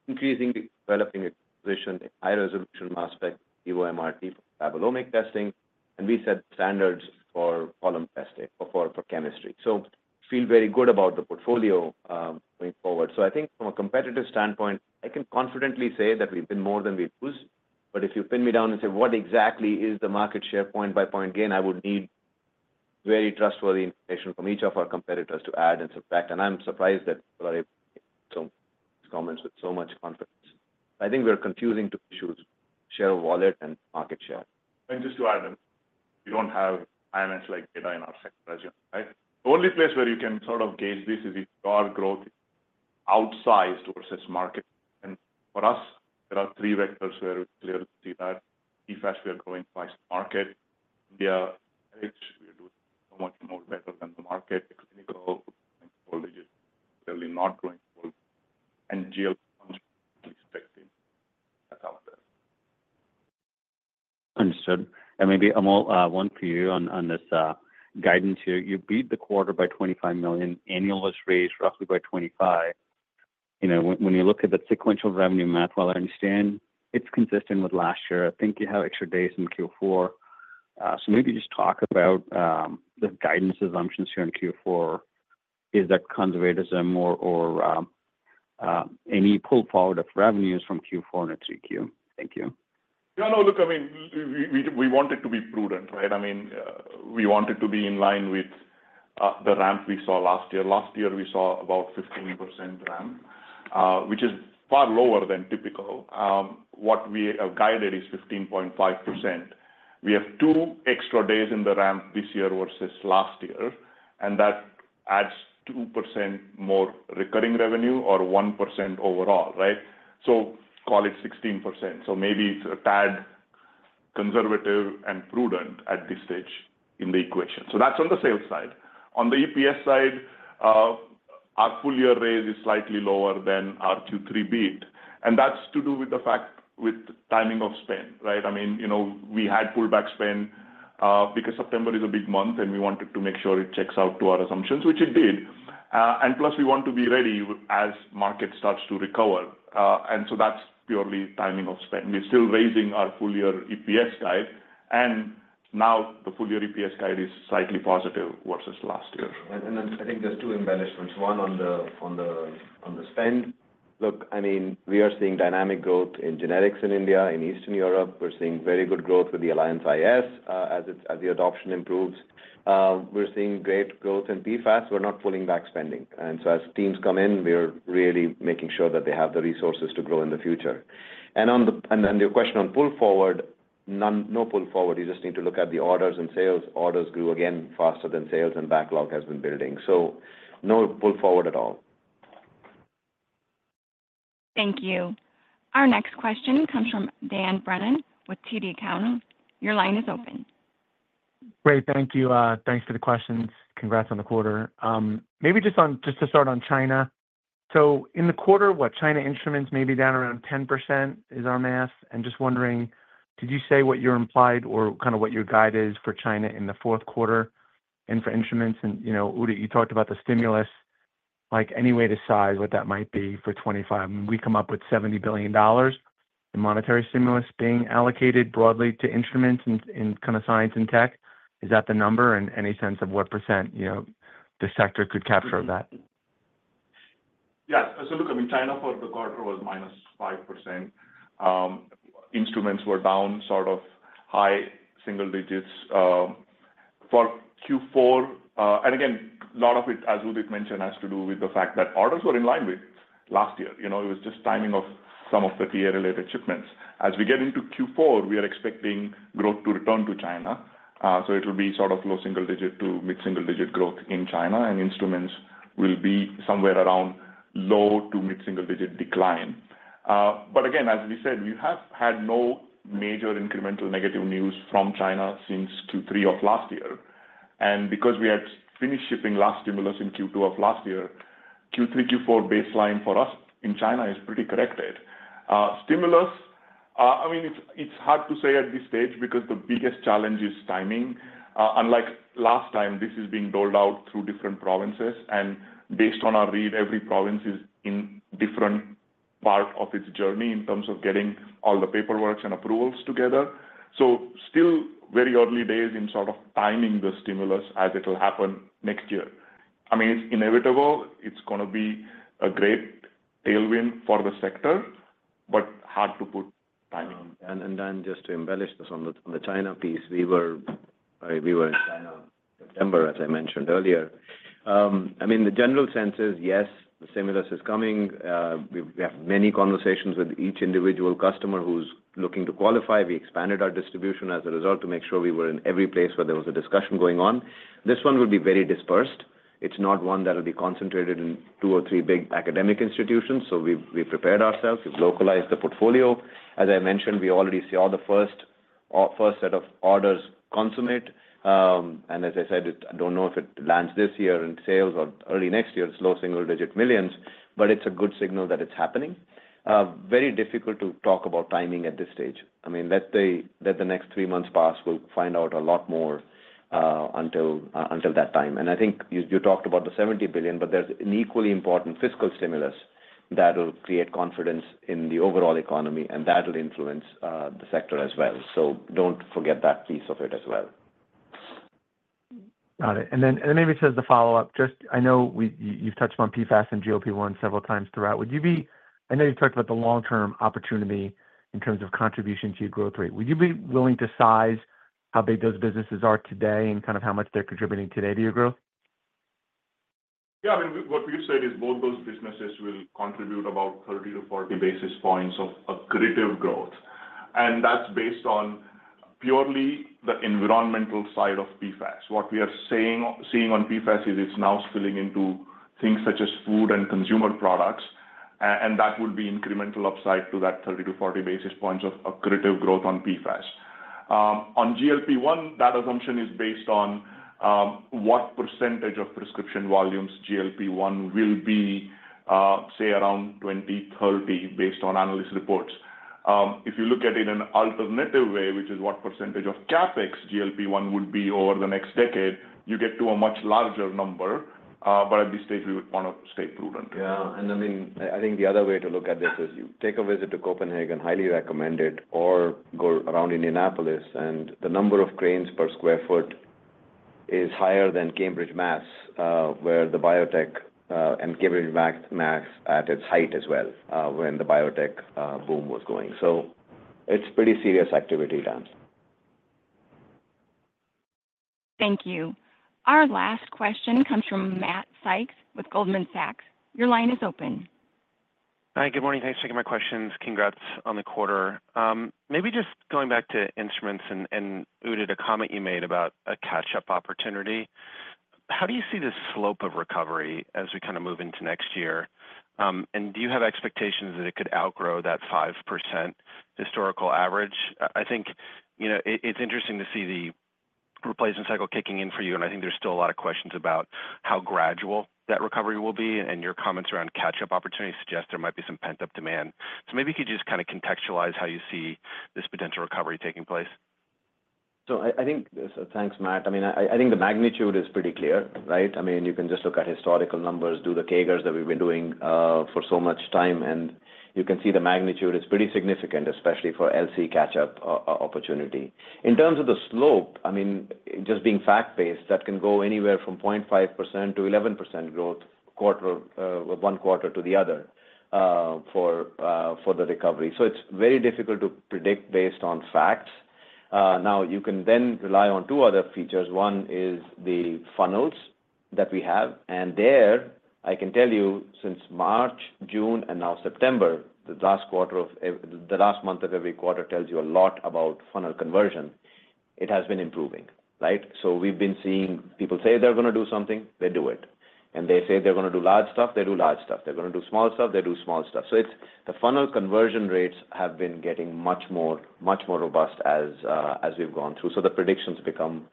Increasingly developing a position in high-resolution mass spec, Xevo MRT for metabolomic testing, and we set standards for column testing for chemistry. We feel very good about the portfolio going forward. From a competitive standpoint, I can confidently say that we've been more than we've pushed. But if you pin me down and say, "What exactly is the market share point by point gain?" I would need very trustworthy information from each of our competitors to add and subtract. I'm surprised that people are able to make comments with so much confidence. I think we're confusing two issues: share of wallet and market share. Just to add, we don't have IMS-like data in our sector as yet, right? The only place where you can sort of gauge this is if our growth is outsized versus market. And for us, there are three vectors where we clearly see that. PFAS, we are growing twice the market. India, we are doing so much more better than the market. Clinical, we're growing four digits, clearly not growing four digits. And GLP-1 is expecting that out there. Understood. And maybe Amol, one for you on this guidance here. You beat the quarter by $25 million. Annual was raised roughly by $25 million. When you look at the sequential revenue map, while I understand it's consistent with last year, I think you have extra days in Q4. So maybe just talk about the guidance assumptions here in Q4. Is there conservatism or any pull forward of revenues from Q4 and into 3Q? Thank you. Yeah, no, look, I mean, we wanted to be prudent, right? I mean, we wanted to be in line with the ramp we saw last year. Last year, we saw about 15% ramp, which is far lower than typical. What we are guided is 15.5%. We have two extra days in the ramp this year versus last year, and that adds 2% more recurring revenue or 1% overall, right? So call it 16%. So maybe it's a tad conservative and prudent at this stage in the equation. So that's on the sales side. On the EPS side, our full year raise is slightly lower than our Q3 beat, and that's to do with the fact with timing of spend, right? I mean, we had pullback spend because September is a big month, and we wanted to make sure it checks out to our assumptions, which it did. And plus, we want to be ready as market starts to recover. And so that's purely timing of spend. We're still raising our full year EPS guide. And now the full year EPS guide is slightly positive versus last year. And then I think there's two embellishments. One on the spend. Look, I mean, we are seeing dynamic growth in generics in India, in Eastern Europe. We're seeing very good growth with the Alliance iS as the adoption improves. We're seeing great growth in PFAS. We're not pulling back spending. And so as teams come in, we're really making sure that they have the resources to grow in the future. And then your question on pull forward, no pull forward. You just need to look at the orders and sales. Orders grew again faster than sales, and backlog has been building. So no pull forward at all. Thank you. Our next question comes from Dan Brennan with TD Cowen. Your line is open. Great. Thank you. Thanks for the questions. Congrats on the quarter. Maybe just to start on China. So in the quarter, what, China instruments maybe down around 10% is our math. And just wondering, did you say what your implied or kind of what your guide is for China in the fourth quarter and for instruments? And Udit, you talked about the stimulus. Any way to size what that might be for 2025? We come up with $70 billion in monetary stimulus being allocated broadly to instruments in kind of science and tech. Is that the number? And any sense of what percent the sector could capture of that? Yes. So look, I mean, China for the quarter was -5%. Instruments were down sort of high single digits. For Q4, and again, a lot of it, as Udit mentioned, has to do with the fact that orders were in line with last year. It was just timing of some of the TA-related shipments. As we get into Q4, we are expecting growth to return to China, so it will be sort of low-single-digit to mid-single-digit growth in China, and instruments will be somewhere around low- to mid-single-digit decline, but again, as we said, we have had no major incremental negative news from China since Q3 of last year. And because we had finished shipping last stimulus in Q2 of last year, Q3, Q4 baseline for us in China is pretty corrected. Stimulus, I mean, it's hard to say at this stage because the biggest challenge is timing. Unlike last time, this is being doled out through different provinces. And based on our read, every province is in a different part of its journey in terms of getting all the paperwork and approvals together. So still very early days in sort of timing the stimulus as it will happen next year. I mean, it's inevitable. It's going to be a great tailwind for the sector, but hard to put timing. And then just to embellish this on the China piece, we were in China in September, as I mentioned earlier. I mean, the general sense is, yes, the stimulus is coming. We have many conversations with each individual customer who's looking to qualify. We expanded our distribution as a result to make sure we were in every place where there was a discussion going on. This one will be very dispersed. It's not one that will be concentrated in two or three big academic institutions. So we prepared ourselves. We've localized the portfolio. As I mentioned, we already saw the first set of orders consummate. And as I said, I don't know if it lands this year in sales or early next year, low single-digit millions, but it's a good signal that it's happening. Very difficult to talk about timing at this stage. I mean, let the next three months pass. We'll find out a lot more until that time. And I think you talked about the $70 billion, but there's an equally important fiscal stimulus that will create confidence in the overall economy, and that will influence the sector as well. So don't forget that piece of it as well. Got it. And then maybe just as a follow-up, I know you've touched on PFAS and GLP-1 several times throughout. I know you've talked about the long-term opportunity in terms of contribution to your growth rate. Would you be willing to size how big those businesses are today and kind of how much they're contributing today to your growth? Yeah. I mean, what we've said is both those businesses will contribute about 30-40 basis points of accretive growth, and that's based on purely the environmental side of PFAS. What we are seeing on PFAS is it's now spilling into things such as food and consumer products, and that would be incremental upside to that 30-40 basis points of accretive growth on PFAS. On GLP-1, that assumption is based on what percentage of prescription volumes GLP-1 will be, say, around 20-30% based on analyst reports. If you look at it in an alternative way, which is what percentage of CapEx GLP-1 would be over the next decade, you get to a much larger number. But at this stage, we would want to stay prudent. Yeah. And I mean, I think the other way to look at this is you take a visit to Copenhagen, highly recommended, or go around Indianapolis. And the number of cranes per square foot is higher than Cambridge, Mass., where the biotech and Cambridge, Mass., at its height as well when the biotech boom was going. So it's pretty serious activity down. Thank you. Our last question comes from Matt Sykes with Goldman Sachs. Your line is open. Hi, good morning. Thanks for taking my questions. Congrats on the quarter. Maybe just going back to instruments and, Udit, a comment you made about a catch-up opportunity. How do you see the slope of recovery as we kind of move into next year? And do you have expectations that it could outgrow that 5% historical average? I think it's interesting to see the replacement cycle kicking in for you, and I think there's still a lot of questions about how gradual that recovery will be. And your comments around catch-up opportunity suggest there might be some pent-up demand. So maybe could you just kind of contextualize how you see this potential recovery taking place? So thanks, Matt. I mean, I think the magnitude is pretty clear, right? I mean, you can just look at historical numbers, do the CAGRs that we've been doing for so much time, and you can see the magnitude is pretty significant, especially for LC catch-up opportunity. In terms of the slope, I mean, just being fact-based, that can go anywhere from 0.5% to 11% growth one quarter to the other for the recovery. So it's very difficult to predict based on facts. Now, you can then rely on two other features. One is the funnels that we have. And there, I can tell you, since March, June, and now September, the last quarter of the last month of every quarter tells you a lot about funnel conversion. It has been improving, right? So we've been seeing people say they're going to do something. They do it. And they say they're going to do large stuff. They do large stuff. They're going to do small stuff. They do small stuff. So the funnel conversion rates have been getting much more robust as we've gone through. So the predictions become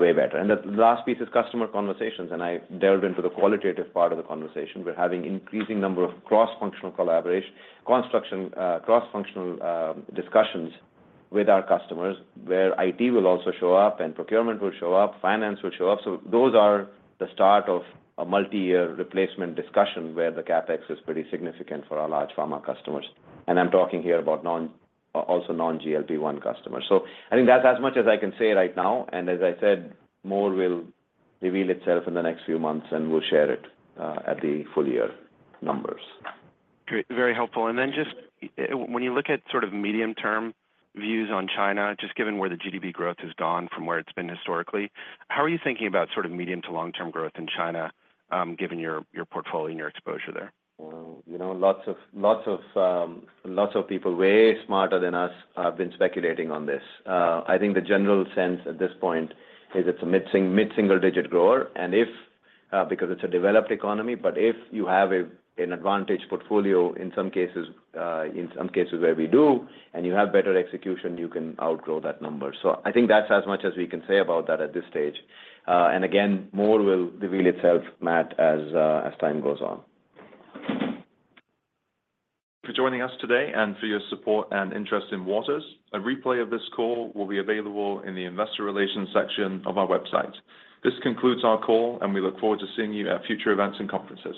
way better. And the last piece is customer conversations. And I delved into the qualitative part of the conversation. We're having increasing number of cross-functional collaboration, cross-functional discussions with our customers where IT will also show up, and procurement will show up, finance will show up. So those are the start of a multi-year replacement discussion where the CapEx is pretty significant for our large pharma customers. And I'm talking here about also non-GLP-1 customers. So I think that's as much as I can say right now. And as I said, more will reveal itself in the next few months, and we'll share it at the full year numbers. Great. Very helpful. And then just when you look at sort of medium-term views on China, just given where the GDP growth has gone from where it's been historically, how are you thinking about sort of medium to long-term growth in China given your portfolio and your exposure there? Lots of people way smarter than us have been speculating on this. I think the general sense at this point is it's a mid-single digit grower. And because it's a developed economy, but if you have an advantage portfolio in some cases, in some cases where we do, and you have better execution, you can outgrow that number. So I think that's as much as we can say about that at this stage. And again, more will reveal itself, Matt, as time goes on. Thank you for joining us today and for your support and interest in Waters. A replay of this call will be available in the investor relations section of our website. This concludes our call, and we look forward to seeing you at future events and conferences.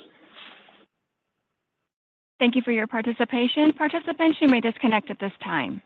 Thank you for your participation. Participants may disconnect at this time.